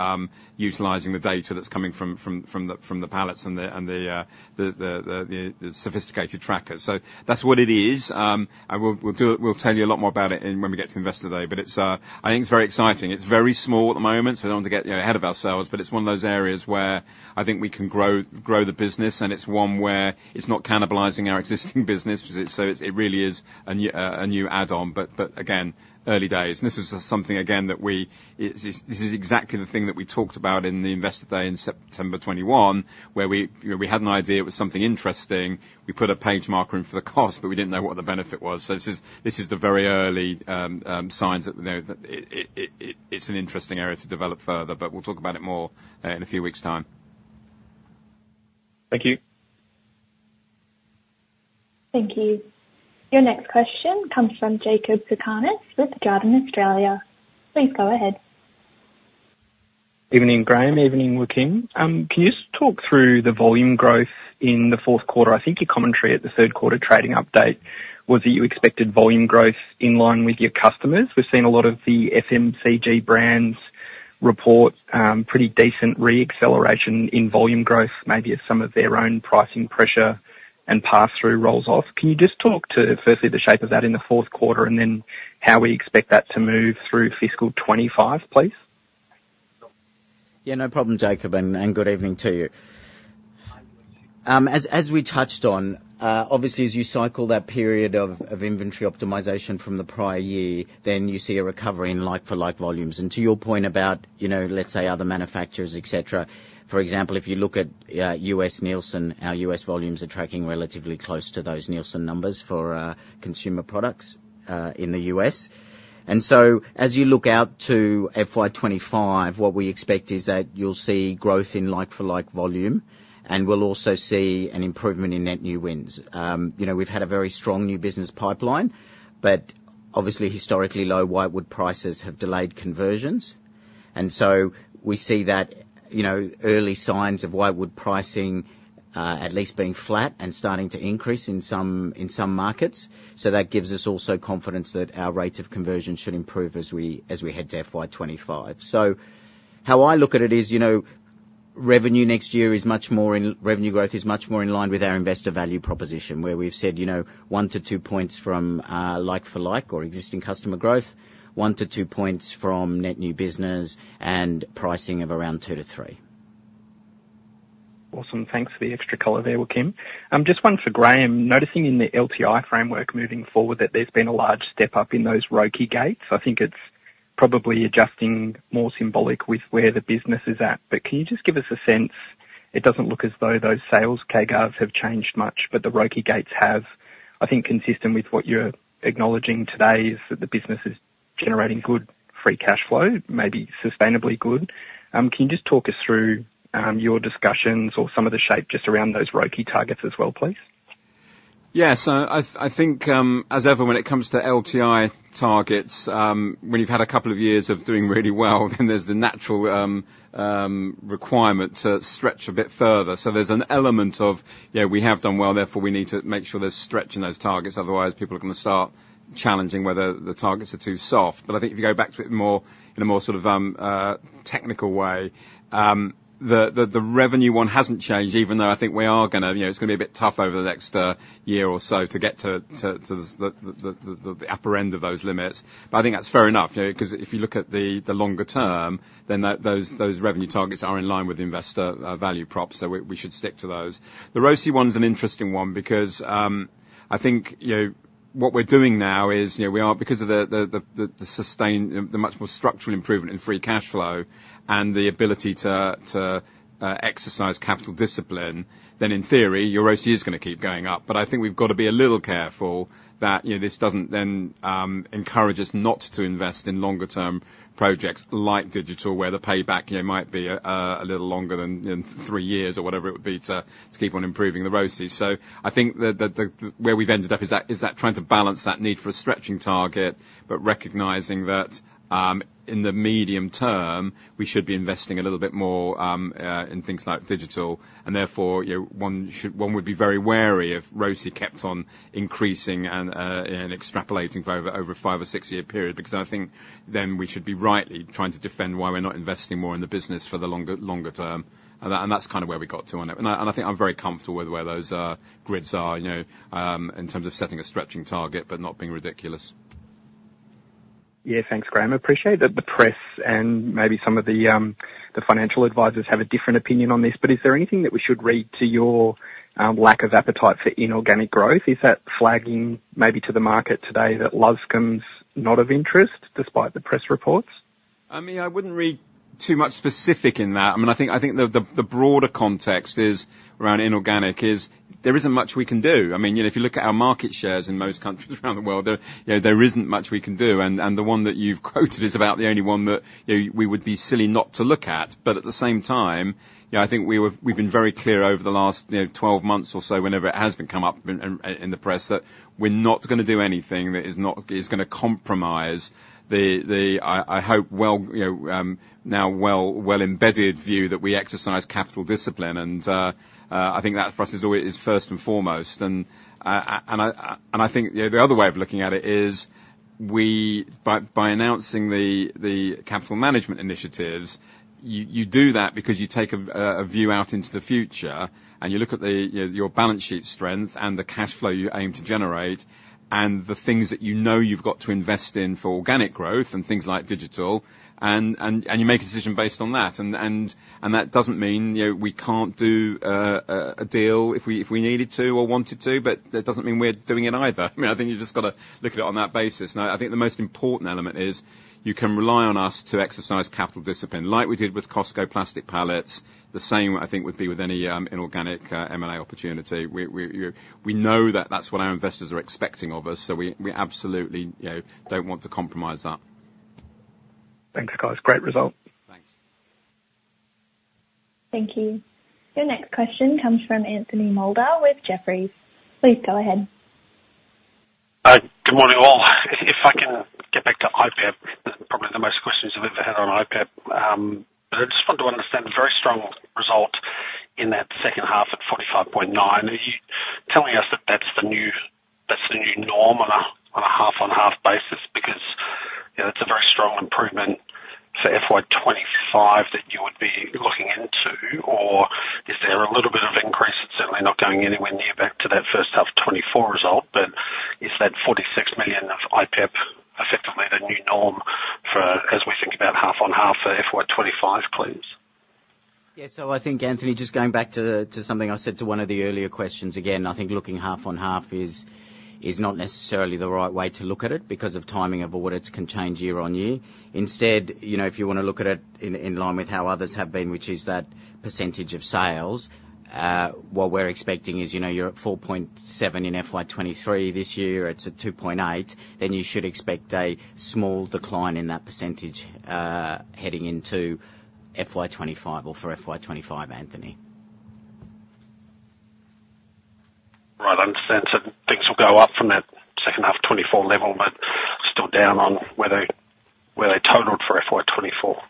utilizing the data that's coming from the pallets and the sophisticated trackers. So that's what it is. We'll tell you a lot more about it when we get to Investor Day, but I think it's very exciting. It's very small at the moment, so we don't want to get, you know, ahead of ourselves, but it's one of those areas where I think we can grow the business, and it's one where it's not cannibalizing our existing business. Cause it, so it really is a new add-on. But again, early days, and this is something, again, that this is exactly the thing that we talked about in the Investor Day in September 2021, where we, you know, we had an idea, it was something interesting. We put a page marker in for the cost, but we didn't know what the benefit was. So this is the very early signs that, you know, that it it's an interesting area to develop further, but we'll talk about it more in a few weeks' time. Thank you. Thank you. Your next question comes from Jakob Cakarnis with Jarden Australia. Please go ahead. Evening, Graham. Evening, Joaquin. Can you just talk through the volume growth in the fourth quarter? I think your commentary at the third quarter trading update was that you expected volume growth in line with your customers. We've seen a lot of the FMCG brands report pretty decent re-acceleration in volume growth, maybe as some of their own pricing pressure and pass-through rolls off. Can you just talk to firstly, the shape of that in the fourth quarter, and then how we expect that to move through fiscal 2025, please? Yeah, no problem, Jakob, and good evening to you. As we touched on, obviously, as you cycle that period of inventory optimization from the prior year, then you see a recovery in like-for-like volumes. And to your point about, you know, let's say other manufacturers, etc. for example, if you look at U.S. Nielsen, our U.S. volumes are tracking relatively close to those Nielsen numbers for consumer products in the U.S. And so as you look out to FY 2025, what we expect is that you'll see growth in like-for-like volume, and we'll also see an improvement in net new wins. You know, we've had a very strong new business pipeline, but obviously, historically low whitewood prices have delayed conversions. And so we see that, you know, early signs of whitewood pricing at least being flat and starting to increase in some markets. So that gives us also confidence that our rates of conversion should improve as we head to FY 2025. So how I look at it is, you know, Revenue growth is much more in line with our Investor Value Proposition, where we've said, you know, one to two points from like-for-like or existing customer growth, one to two points from net new business, and pricing of around 2-3. Awesome. Thanks for the extra color there, Joaquin. Just one for Graham. Noticing in the LTI framework moving forward, that there's been a large step-up in those ROCE gates. I think it's probably adjusting more symbolic with where the business is at. But can you just give us a sense? It doesn't look as though those sales CAGRs have changed much, but the ROCE gates have. I think consistent with what you're acknowledging today is that the business is generating good free cash flow, maybe sustainably good. Can you just talk us through your discussions or some of the shape just around those ROCE targets as well, please? Yeah. So I think, as ever, when it comes to LTI targets, when you've had a couple of years of doing really well, then there's the natural requirement to stretch a bit further. So there's an element of, you know, we have done well, therefore, we need to make sure there's stretch in those targets. Otherwise, people are gonna start challenging whether the targets are too soft. But I think if you go back to it more, in a more sort of technical way, the revenue one hasn't changed, even though I think we are gonna, you know, it's gonna be a bit tough over the next year or so to get to the upper end of those limits. But I think that's fair enough, you know, 'cause if you look at the longer term, then those revenue targets are in line with the investor value prop, so we should stick to those. The ROCE one is an interesting one because I think, you know, what we're doing now is, you know, we are because of the sustained, much more structural improvement in free cash flow and the ability to exercise capital discipline, then in theory, your ROCE is gonna keep going up. But I think we've got to be a little careful that, you know, this doesn't then encourage us not to invest in longer-term projects like digital, where the payback, you know, might be a little longer than in three years or whatever it would be to keep on improving the ROCE. So I think that the where we've ended up is that trying to balance that need for a stretching target, but recognizing that in the medium term, we should be investing a little bit more in things like digital, and therefore, you know, one would be very wary if ROCE kept on increasing and extrapolating over a five or six-year period, because I think then we should be rightly trying to defend why we're not investing more in the business for the longer term. And that's kind of where we got to on it. And I think I'm very comfortable with where those grids are, you know, in terms of setting a stretching target, but not being ridiculous. Yeah. Thanks, Graham. Appreciate that the press and maybe some of the financial advisors have a different opinion on this, but is there anything that we should read to your lack of appetite for inorganic growth? Is that flagging maybe to the market today that Loscam's not of interest despite the press reports? I mean, I wouldn't read too much specific in that. I mean, I think the broader context is around inorganic. There isn't much we can do. I mean, you know, if you look at our market shares in most countries around the world, you know, there isn't much we can do. And the one that you've quoted is about the only one that, you know, we would be silly not to look at. But at the same time, you know, I think we've been very clear over the last 12 months or so, whenever it has come up in the press, that we're not gonna do anything that is gonna compromise the well-embedded view that we exercise capital discipline. I think that for us is always first and foremost. I think you know the other way of looking at it is. By announcing the capital management initiatives, you do that because you take a view out into the future, and you look at, you know, your balance sheet strength and the cash flow you aim to generate, and the things that you know you've got to invest in for organic growth and things like digital, and you make a decision based on that. That doesn't mean, you know, we can't do a deal if we needed to or wanted to, but that doesn't mean we're doing it either. I mean, I think you just gotta look at it on that basis. Now, I think the most important element is you can rely on us to exercise capital discipline, like we did with Costco plastic pallets. The same, I think, would be with any inorganic M&A opportunity. We know that that's what our investors are expecting of us, so we absolutely, you know, don't want to compromise that. Thanks, guys. Great result. Thanks. Thank you. Your next question comes from Anthony Moulder with Jefferies. Please go ahead. Good morning, all. If I can get back to IPEP, probably the most questions I've ever had on IPEP. But I just wanted to understand the very strong result in that second half at $45.9 million. Are you telling us that that's the new norm on a half-on-half basis? Because, you know, that's a very strong improvement for FY 2025 that you would be looking into, or is there a little bit going anywhere near back to that first half 2024 result, but is that $46 million of IPEP effectively the new norm for as we think about half on half for FY 2025 close? Yeah. So I think, Anthony, just going back to something I said to one of the earlier questions, again, I think looking half on half is not necessarily the right way to look at it because of timing of audits can change year-on-year. Instead, you know, if you wanna look at it in line with how others have been, which is that percentage of sales, what we're expecting is, you know, you're at 4.7% in FY 2023. This year, it's at 2.8%, then you should expect a small decline in that percentage heading into FY 2025 or for FY 2025, Anthony. Right. I understand. So things will go up from that second half 2024 level, but still down on where they, where they totaled for FY 2024.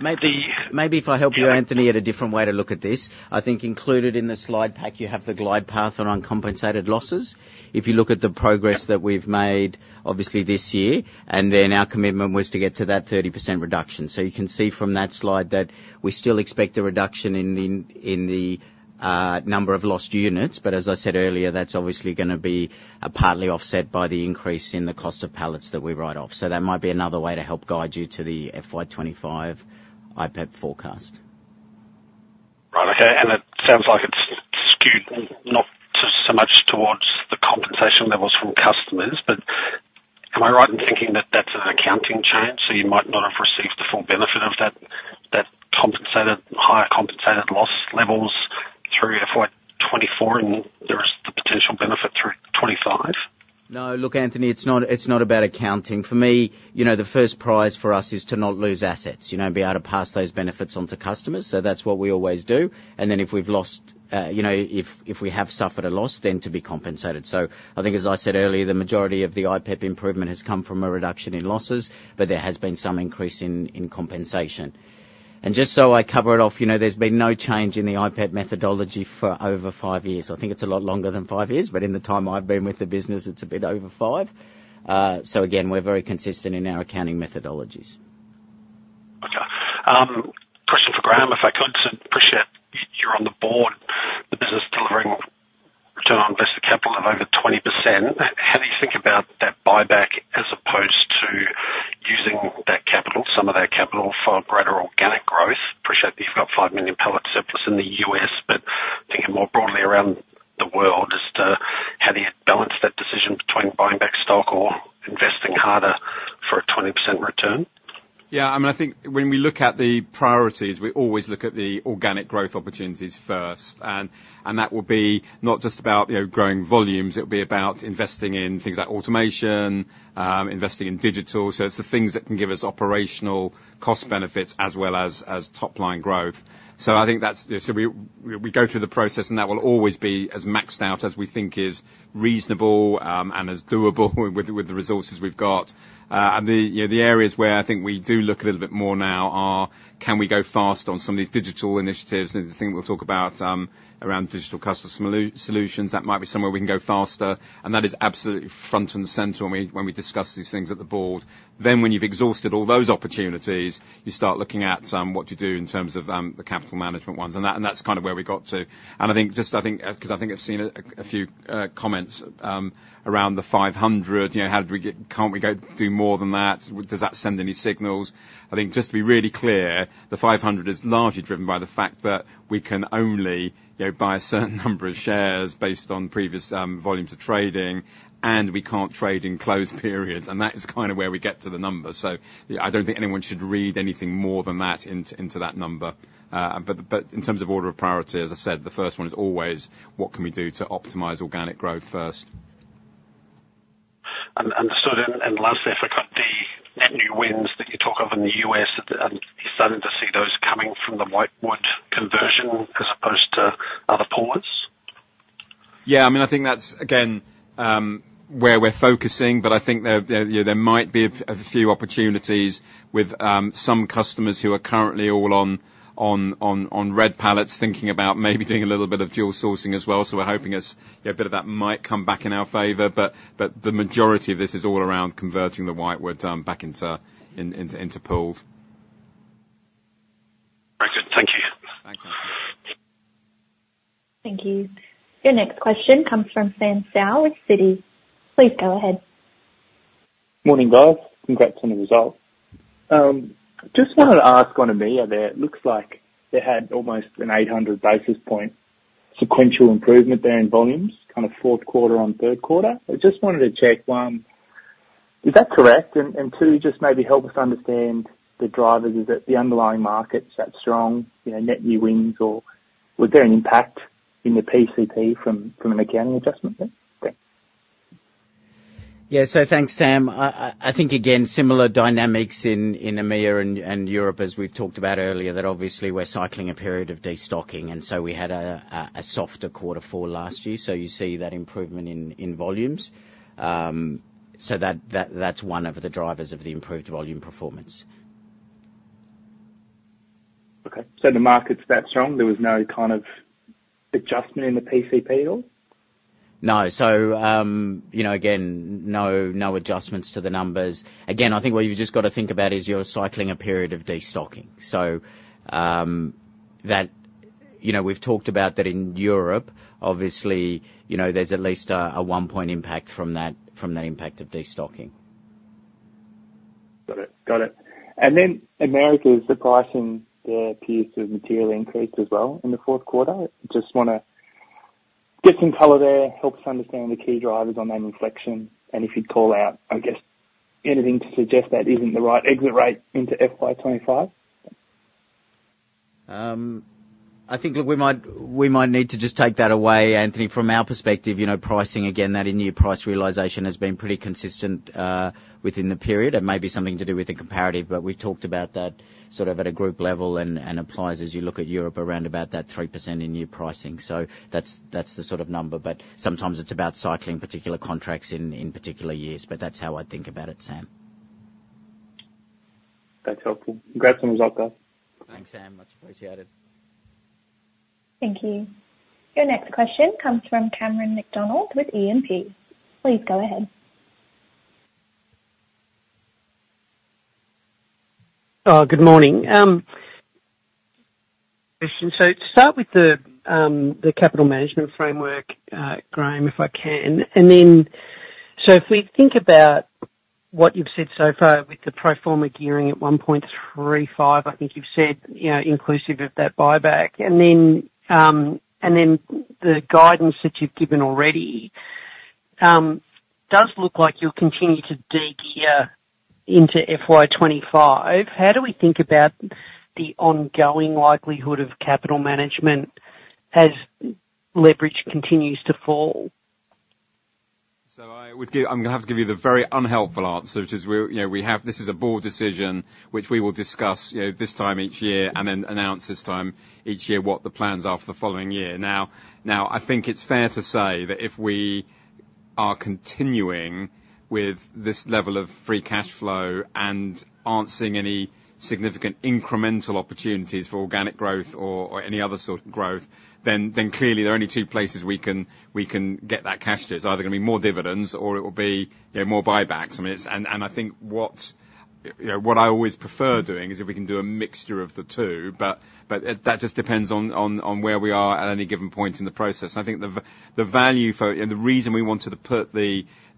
Maybe if I help you, Anthony, in a different way to look at this. I think included in the slide pack, you have the glide path on uncompensated losses. If you look at the progress that we've made, obviously, this year, and then our commitment was to get to that 30% reduction. So you can see from that slide that we still expect a reduction in the number of lost units. But as I said earlier, that's obviously gonna be partly offset by the increase in the cost of pallets that we write off. So that might be another way to help guide you to the FY 2025 IPEP forecast. Right. Okay. And it sounds like it's skewed not so much towards the compensation levels from customers, but am I right in thinking that that's an accounting change, so you might not have received the full benefit of that, that compensated, higher compensated loss levels through FY 2024 and there is the potential benefit through 2025? No. Look, Anthony, it's not about accounting. For me, you know, the first prize for us is to not lose assets, you know, be able to pass those benefits on to customers. So that's what we always do. And then, if we've lost, you know, if we have suffered a loss, then to be compensated. So I think, as I said earlier, the majority of the IPEP improvement has come from a reduction in losses, but there has been some increase in compensation. And just so I cover it off, you know, there's been no change in the IPEP methodology for over five years. I think it's a lot longer than five years, but in the time I've been with the business, it's a bit over five. So again, we're very consistent in our accounting methodologies. Okay. Question for Graham, if I could. So appreciate you're on the board, the business delivering return on invested capital of over 20%. How do you think about that buyback as opposed to using that capital, some of that capital for greater organic growth? Appreciate that you've got five million pallet surplus in the U.S., but thinking more broadly around the world, just, how do you balance that decision between buying back stock or investing harder for a 20% return? Yeah, I mean, I think when we look at the priorities, we always look at the organic growth opportunities first, and that will be not just about, you know, growing volumes. It'll be about investing in things like automation, investing in digital. So it's the things that can give us operational cost benefits as well as top-line growth. So I think that's. So we go through the process, and that will always be as maxed out as we think is reasonable, and as doable with the resources we've got. And the, you know, the areas where I think we do look a little bit more now are, can we go fast on some of these digital initiatives? And the thing we'll talk about around Digital Customer Solutions, that might be somewhere we can go faster, and that is absolutely front and center when we discuss these things at the board. Then, when you've exhausted all those opportunities, you start looking at what to do in terms of the capital management ones, and that's kind of where we got to. And I think, just I think, 'cause I think I've seen a few comments around the five hundred, you know, how do we get - can't we go do more than that? Does that send any signals? I think just to be really clear, the 500 is largely driven by the fact that we can only, you know, buy a certain number of shares based on previous, volumes of trading, and we can't trade in closed periods, and that is kind of where we get to the numbers. So I don't think anyone should read anything more than that into that number. But in terms of order of priority, as I said, the first one is always: What can we do to optimize organic growth first? Understood. And last, if I could, the net new wins that you talk of in the U.S., you're starting to see those coming from the whitewood conversion as opposed to other pools? Yeah, I mean, I think that's again where we're focusing, but I think there, you know, there might be a few opportunities with some customers who are currently all on red pallets, thinking about maybe doing a little bit of dual sourcing as well. So we're hoping as, you know, a bit of that might come back in our favor, but the majority of this is all around converting the whitewood back into pools. Excellent. Thank you. Thank you. Thank you. Your next question comes from Sam Seow with Citi. Please go ahead. Morning, guys. Congrats on the result. Just wanted to ask on EMEA there, it looks like they had almost an 800 basis points sequential improvement there in volumes, kind of fourth quarter on third quarter. I just wanted to check, one, is that correct? And two, just maybe help us understand the drivers. Is it the underlying market that strong, you know, net new wins, or was there an impact in the PCP from an accounting adjustment there? Thanks. Yeah. So thanks, Sam. I think, again, similar dynamics in EMEA and Europe, as we've talked about earlier, that obviously we're cycling a period of destocking, and so we had a softer quarter four last year. So you see that improvement in volumes. So that, that's one of the drivers of the improved volume performance. Okay. So the market's that strong, there was no kind of adjustment in the PCP at all? No, so, you know, again, no, no adjustments to the numbers. Again, I think what you've just got to think about is you're cycling a period of destocking. So, that, you know, we've talked about that in Europe, obviously, you know, there's at least a one-point impact from that, from the impact of destocking. Got it. Got it. And then Americas pricing there appears to have materially increased as well in the fourth quarter? Just wanna get some color there, help us understand the key drivers on that inflation, and if you'd call out, I guess, anything to suggest that isn't the right exit rate into FY 2025. I think that we might need to just take that away, Anthony. From our perspective, you know, pricing, again, that in-year price realization has been pretty consistent within the period. It may be something to do with the comparative, but we've talked about that sort of at a group level and applies as you look at Europe around about that 3% in new pricing. So that's the sort of number, but sometimes it's about cycling particular contracts in particular years, but that's how I'd think about it, Sam. That's helpful. Congrats on the result, guys. Thanks, Sam. Much appreciated. Thank you. Your next question comes from Cameron McDonald with E&P. Please go ahead. Good morning. Question, so to start with the capital management framework, Graham, if I can. And then, so if we think about what you've said so far with the pro forma gearing at 1.35, I think you've said, you know, inclusive of that buyback. And then, and then the guidance that you've given already does look like you'll continue to de-gear into FY 2025. How do we think about the ongoing likelihood of capital management as leverage continues to fall? So I would give. I'm gonna have to give you the very unhelpful answer, which is we're, you know, we have. This is a board decision, which we will discuss, you know, this time each year and then announce this time each year what the plans are for the following year. Now, I think it's fair to say that if we are continuing with this level of free cash flow and aren't seeing any significant incremental opportunities for organic growth or any other sort of growth, then clearly there are only two places we can get that cash to. It's either gonna be more dividends or it will be, you know, more buybacks. I mean, it's and I think what, you know, what I always prefer doing is if we can do a mixture of the two, but that just depends on where we are at any given point in the process. I think the value for. And the reason we wanted to put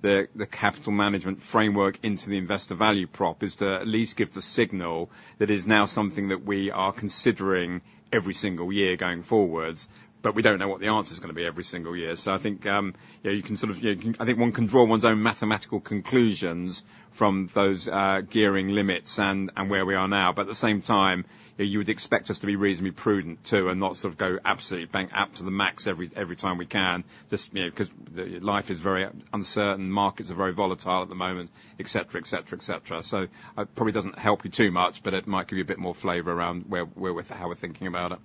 the capital management framework into the investor value prop is to at least give the signal that it is now something that we are considering every single year going forwards, but we don't know what the answer is gonna be every single year. So I think, yeah, you can sort of, you know, I think one can draw one's own mathematical conclusions from those gearing limits and where we are now. But at the same time, you would expect us to be reasonably prudent, too, and not sort of go absolutely bang up to the max every time we can. Just, you know, 'cause the life is very uncertain, markets are very volatile at the moment, etc. So that probably doesn't help you too much, but it might give you a bit more flavor around where, how we're thinking about it.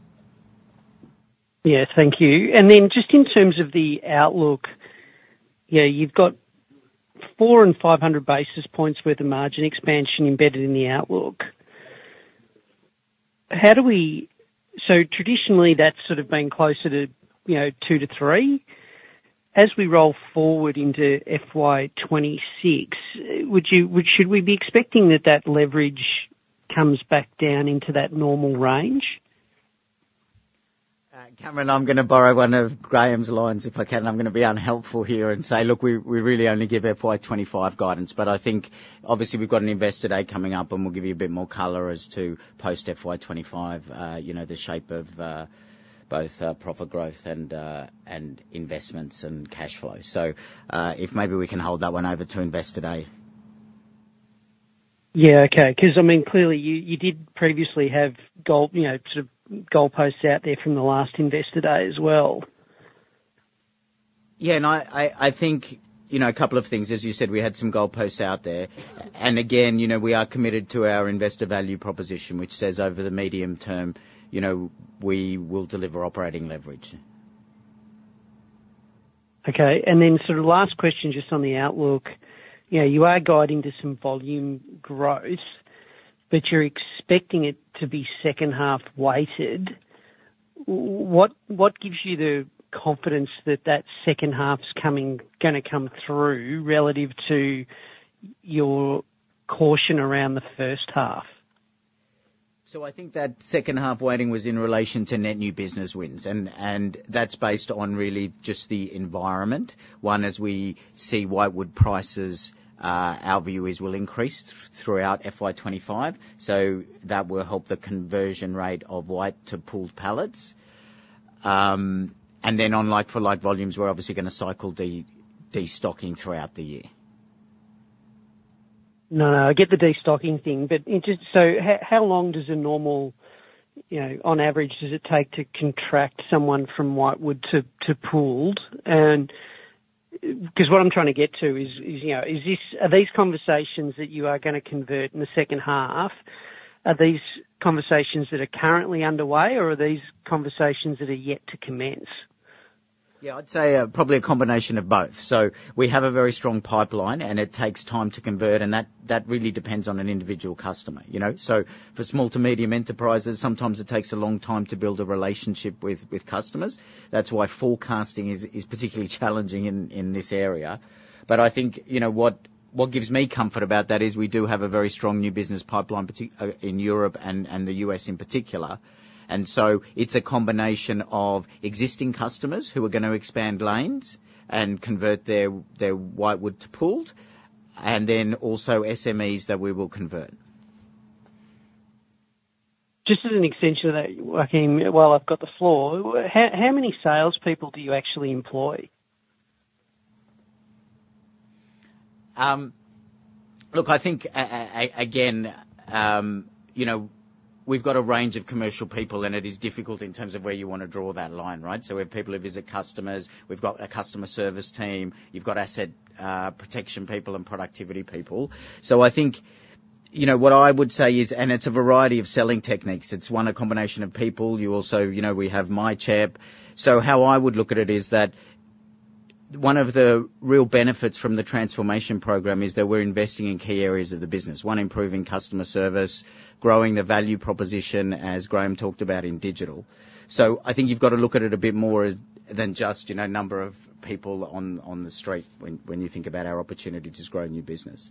Yeah, thank you. And then just in terms of the outlook, yeah, you've got four and five hundred basis points worth of margin expansion embedded in the outlook. How do we, so traditionally, that's sort of been closer to, you know, two to three. As we roll forward into FY 2026, would you—should we be expecting that that leverage comes back down into that normal range? Cameron, I'm gonna borrow one of Graham's lines, if I can. I'm gonna be unhelpful here and say: Look, we really only give FY 2025 guidance. But I think obviously we've got an Investor Day coming up, and we'll give you a bit more color as to post FY 2025, you know, the shape of both profit growth and investments and cash flow. So, if maybe we can hold that one over to Investor Day. Yeah, okay. 'Cause I mean, clearly you did previously have goal, you know, sort of goalposts out there from the last Investor Day as well. Yeah, and I think, you know, a couple of things, as you said, we had some goalposts out there. And again, you know, we are committed to our Investor Value Proposition, which says over the medium term, you know, we will deliver operating leverage. Okay, and then sort of last question, just on the outlook. You know, you are guiding to some volume growth, but you're expecting it to be second half weighted. What gives you the confidence that that second half's coming, gonna come through relative to your caution around the first half? So I think that second half weighting was in relation to net new business wins, and that's based on really just the environment. One, as we see whitewood prices, our view is will increase throughout FY 2025, so that will help the conversion rate of white to pooled pallets. And then on like-for-like volumes, we're obviously gonna cycle destocking throughout the year. No, no, I get the destocking thing, but just so, how long does a normal, you know, on average does it take to contract someone from whitewood to pooled? And 'cause what I'm trying to get to is, you know, is this - are these conversations that you are gonna convert in the second half, are these conversations that are currently underway, or are these conversations that are yet to commence? Yeah, I'd say probably a combination of both. So we have a very strong pipeline, and it takes time to convert, and that really depends on an individual customer, you know? So for small to medium enterprises, sometimes it takes a long time to build a relationship with customers. That's why forecasting is particularly challenging in this area. But I think, you know, what gives me comfort about that is we do have a very strong new business pipeline, particularly in Europe and the U.S. in particular. And so it's a combination of existing customers who are gonna expand lanes and convert their whitewood to pooled, and then also SMEs that we will convert. Just as an extension of that, I think, while I've got the floor, how many salespeople do you actually employ? Look, I think, again, you know, we've got a range of commercial people, and it is difficult in terms of where you wanna draw that line, right? So we have people who visit customers. We've got a customer service team. You've got asset protection people and productivity people. So I think, you know, what I would say is, and it's a variety of selling techniques. It's, one, a combination of people. You also, you know, we have myCHEP. So how I would look at it is that one of the real benefits from the transformation program is that we're investing in key areas of the business. One, improving customer service, growing the value proposition, as Graham talked about in digital. So I think you've got to look at it a bit more than just, you know, number of people on the street when you think about our opportunity to grow new business.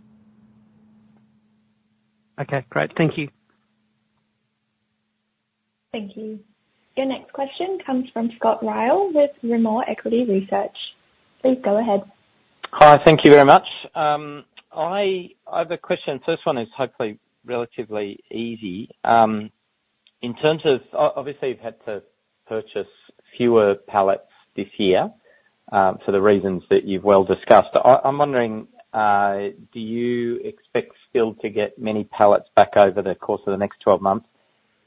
Okay, great. Thank you. Thank you. Your next question comes from Scott Ryall with Rimor Equity Research. Please go ahead. Hi, thank you very much. I have a question. This one is hopefully relatively easy. In terms of obviously, you've had to purchase fewer pallets this year for the reasons that you've well discussed. I'm wondering, do you expect still to get many pallets back over the course of the next twelve months?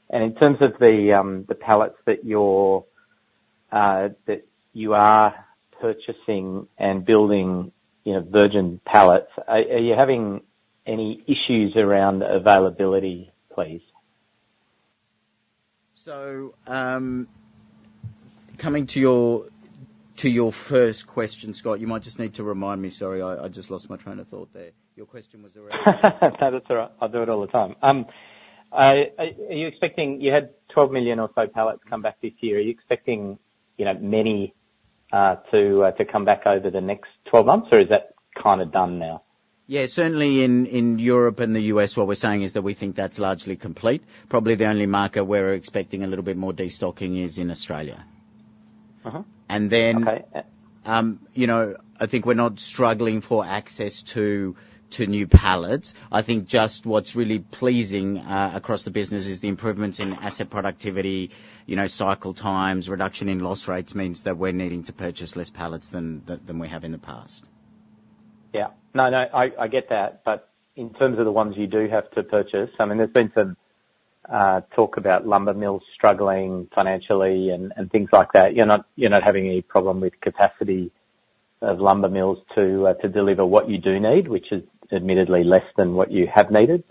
And in terms of the pallets that you are purchasing and building, you know, virgin pallets, are you having any issues around availability, please? Coming to your first question, Scott, you might just need to remind me. Sorry, I just lost my train of thought there. Your question was around. No, that's all right. I do it all the time. Are you expecting... You had twelve million or so pallets come back this year. Are you expecting, you know, many to come back over the next twelve months, or is that kind of done now? Yeah, certainly in Europe and the U.S., what we're saying is that we think that's largely complete. Probably the only market we're expecting a little bit more destocking is in Australia. And then you know, I think we're not struggling for access to new pallets. I think just what's really pleasing across the business is the improvements in asset productivity, you know, cycle times, reduction in loss rates means that we're needing to purchase less pallets than we have in the past. Yeah. No, no, I, I get that. But in terms of the ones you do have to purchase, I mean, there's been some talk about lumber mills struggling financially and things like that. You're not having any problem with capacity of lumber mills to deliver what you do need, which is admittedly less than what you have needed?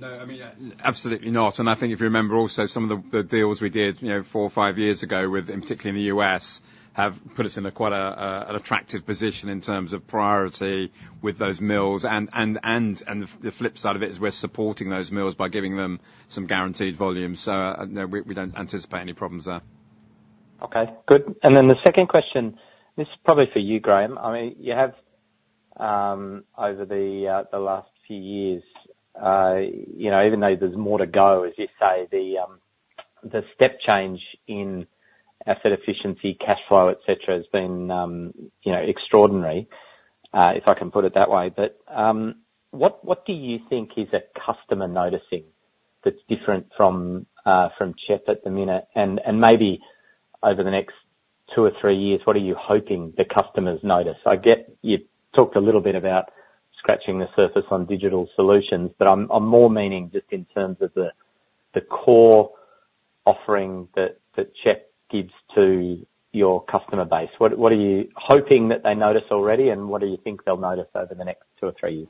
No, I mean, absolutely not. And I think if you remember also some of the deals we did, you know, four or five years ago with and particularly in the U.S., have put us in a quite an attractive position in terms of priority with those mills. And the flip side of it is we're supporting those mills by giving them some guaranteed volumes. So, no, we don't anticipate any problems there. Okay, good. And then the second question, this is probably for you, Graham. I mean, you have, over the last few years, you know, even though there's more to go, as you say, the step change in asset efficiency, cash flow, etc., has been, you know, extraordinary, if I can put it that way. But, what do you think is a customer noticing that's different from, from CHEP at the minute? And, maybe over the next two or three years, what are you hoping the customers notice? I get you talked a little bit about scratching the surface on digital solutions, but I'm more meaning just in terms of the core offering that CHEP gives to your customer base. What are you hoping that they notice already, and what do you think they'll notice over the next two or three years?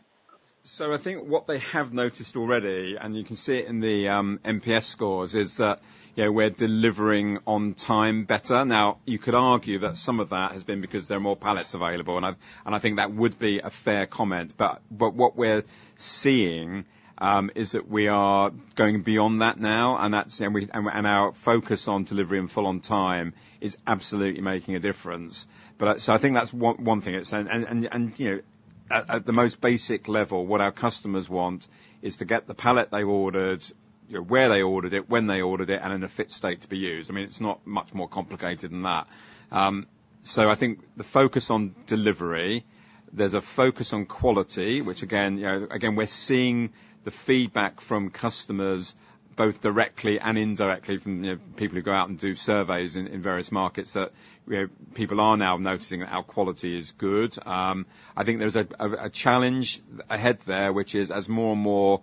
So I think what they have noticed already, and you can see it in the NPS scores, is that, you know, we're delivering on time better. Now, you could argue that some of that has been because there are more pallets available, and I think that would be a fair comment. But what we're seeing is that we are going beyond that now, and that's, and our focus on delivery in full on time is absolutely making a difference. But. So I think that's one thing. It's, you know, at the most basic level, what our customers want is to get the pallet they ordered, you know, where they ordered it, when they ordered it, and in a fit state to be used. I mean, it's not much more complicated than that. So I think the focus on delivery, there's a focus on quality, which again, you know, again, we're seeing the feedback from customers, both directly and indirectly, from, you know, people who go out and do surveys in various markets, that, you know, people are now noticing that our quality is good. I think there's a challenge ahead there, which is as more and more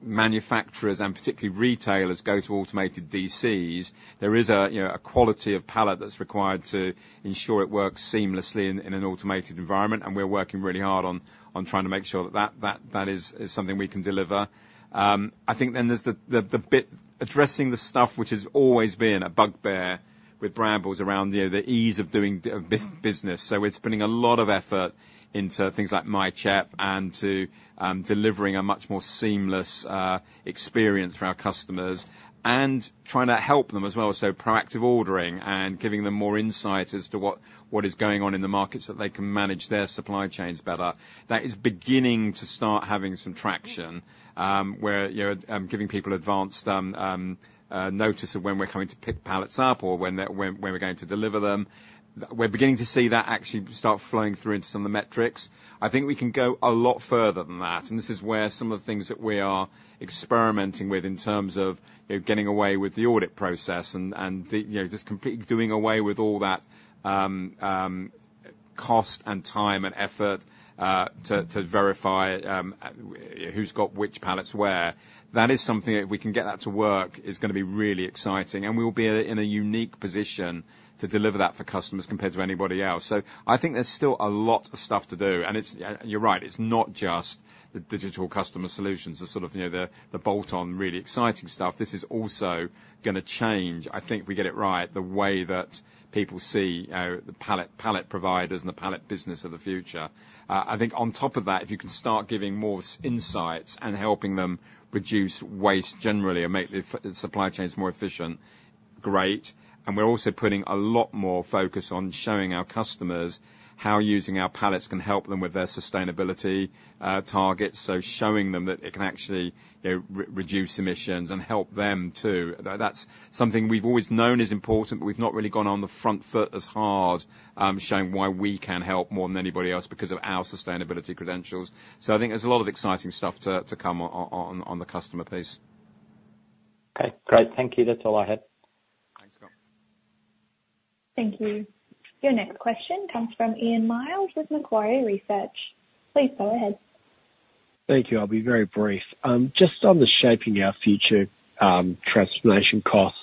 manufacturers and particularly retailers go to automated DCs, there is a quality of pallet that's required to ensure it works seamlessly in an automated environment, and we're working really hard on trying to make sure that that is something we can deliver. I think then there's the bit addressing the stuff which has always been a bugbear with Brambles around, you know, the ease of doing business. So we're spending a lot of effort into things like myCHEP and to delivering a much more seamless experience for our customers, and trying to help them as well. So proactive ordering and giving them more insight as to what is going on in the markets, so that they can manage their supply chains better. That is beginning to start having some traction, where, you know, notice of when we're coming to pick pallets up or when they're when we're going to deliver them. We're beginning to see that actually start flowing through into some of the metrics. I think we can go a lot further than that, and this is where some of the things that we are experimenting with in terms of, you know, getting away with the audit process and, you know, just completely doing away with all that cost and time and effort to verify who's got which pallets where. That is something that if we can get that to work, is gonna be really exciting, and we will be in a unique position to deliver that for customers compared to anybody else. So I think there's still a lot of stuff to do, and it's you're right. It's not just the Digital Customer Solutions, the sort of, you know, the bolt-on, really exciting stuff. This is also gonna change, I think, if we get it right, the way that people see the pallet providers and the pallet business of the future. I think on top of that, if you can start giving more insights and helping them reduce waste generally and make the supply chains more efficient, great. And we're also putting a lot more focus on showing our customers how using our pallets can help them with their sustainability targets. So showing them that it can actually, you know, reduce emissions and help them, too. That's something we've always known is important, but we've not really gone on the front foot as hard, showing why we can help more than anybody else because of our sustainability credentials. So I think there's a lot of exciting stuff to come on the customer piece. Okay, great. Thank you. That's all I had. Thanks, Scott. Thank you. Your next question comes from Ian Myles with Macquarie Research. Please go ahead. Thank you. I'll be very brief. Just on the Shaping Our Future transformation costs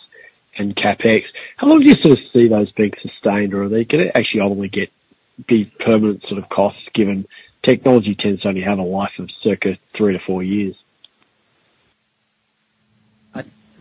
and CapEx, how long do you sort of see those being sustained, or are they gonna actually only gonna be permanent sort of costs, given technology tends to only have a life of circa 3-4 years?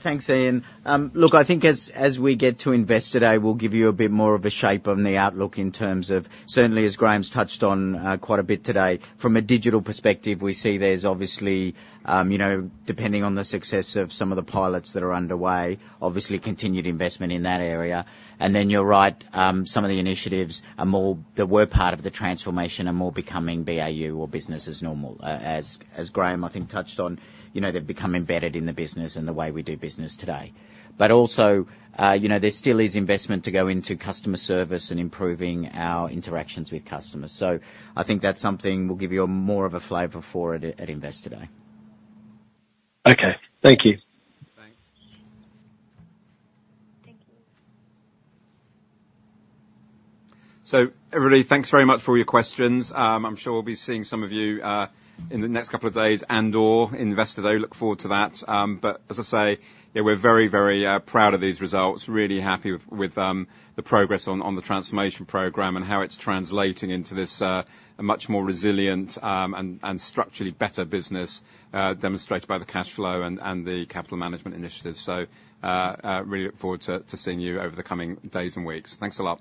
Thanks, Ian. Look, I think as we get to Investor Day, we'll give you a bit more of a shape on the outlook in terms of certainly, as Graham's touched on, quite a bit today, from a digital perspective, we see there's obviously, you know, depending on the success of some of the pilots that are underway, obviously continued investment in that area. And then you're right, some of the initiatives are more that were part of the transformation, are more becoming BAU or business as normal. As Graham, I think, touched on, you know, they've become embedded in the business and the way we do business today. But also, you know, there still is investment to go into customer service and improving our interactions with customers. So I think that's something we'll give you more of a flavor for at Investor Day. Okay. Thank you. Thanks. Thank you. So everybody, thanks very much for all your questions. I'm sure we'll be seeing some of you in the next couple of days and/or Investor Day. Look forward to that. But as I say, you know, we're very, very proud of these results. Really happy with the progress on the transformation program and how it's translating into this a much more resilient and structurally better business, demonstrated by the cash flow and the capital management initiatives. Really look forward to seeing you over the coming days and weeks. Thanks a lot.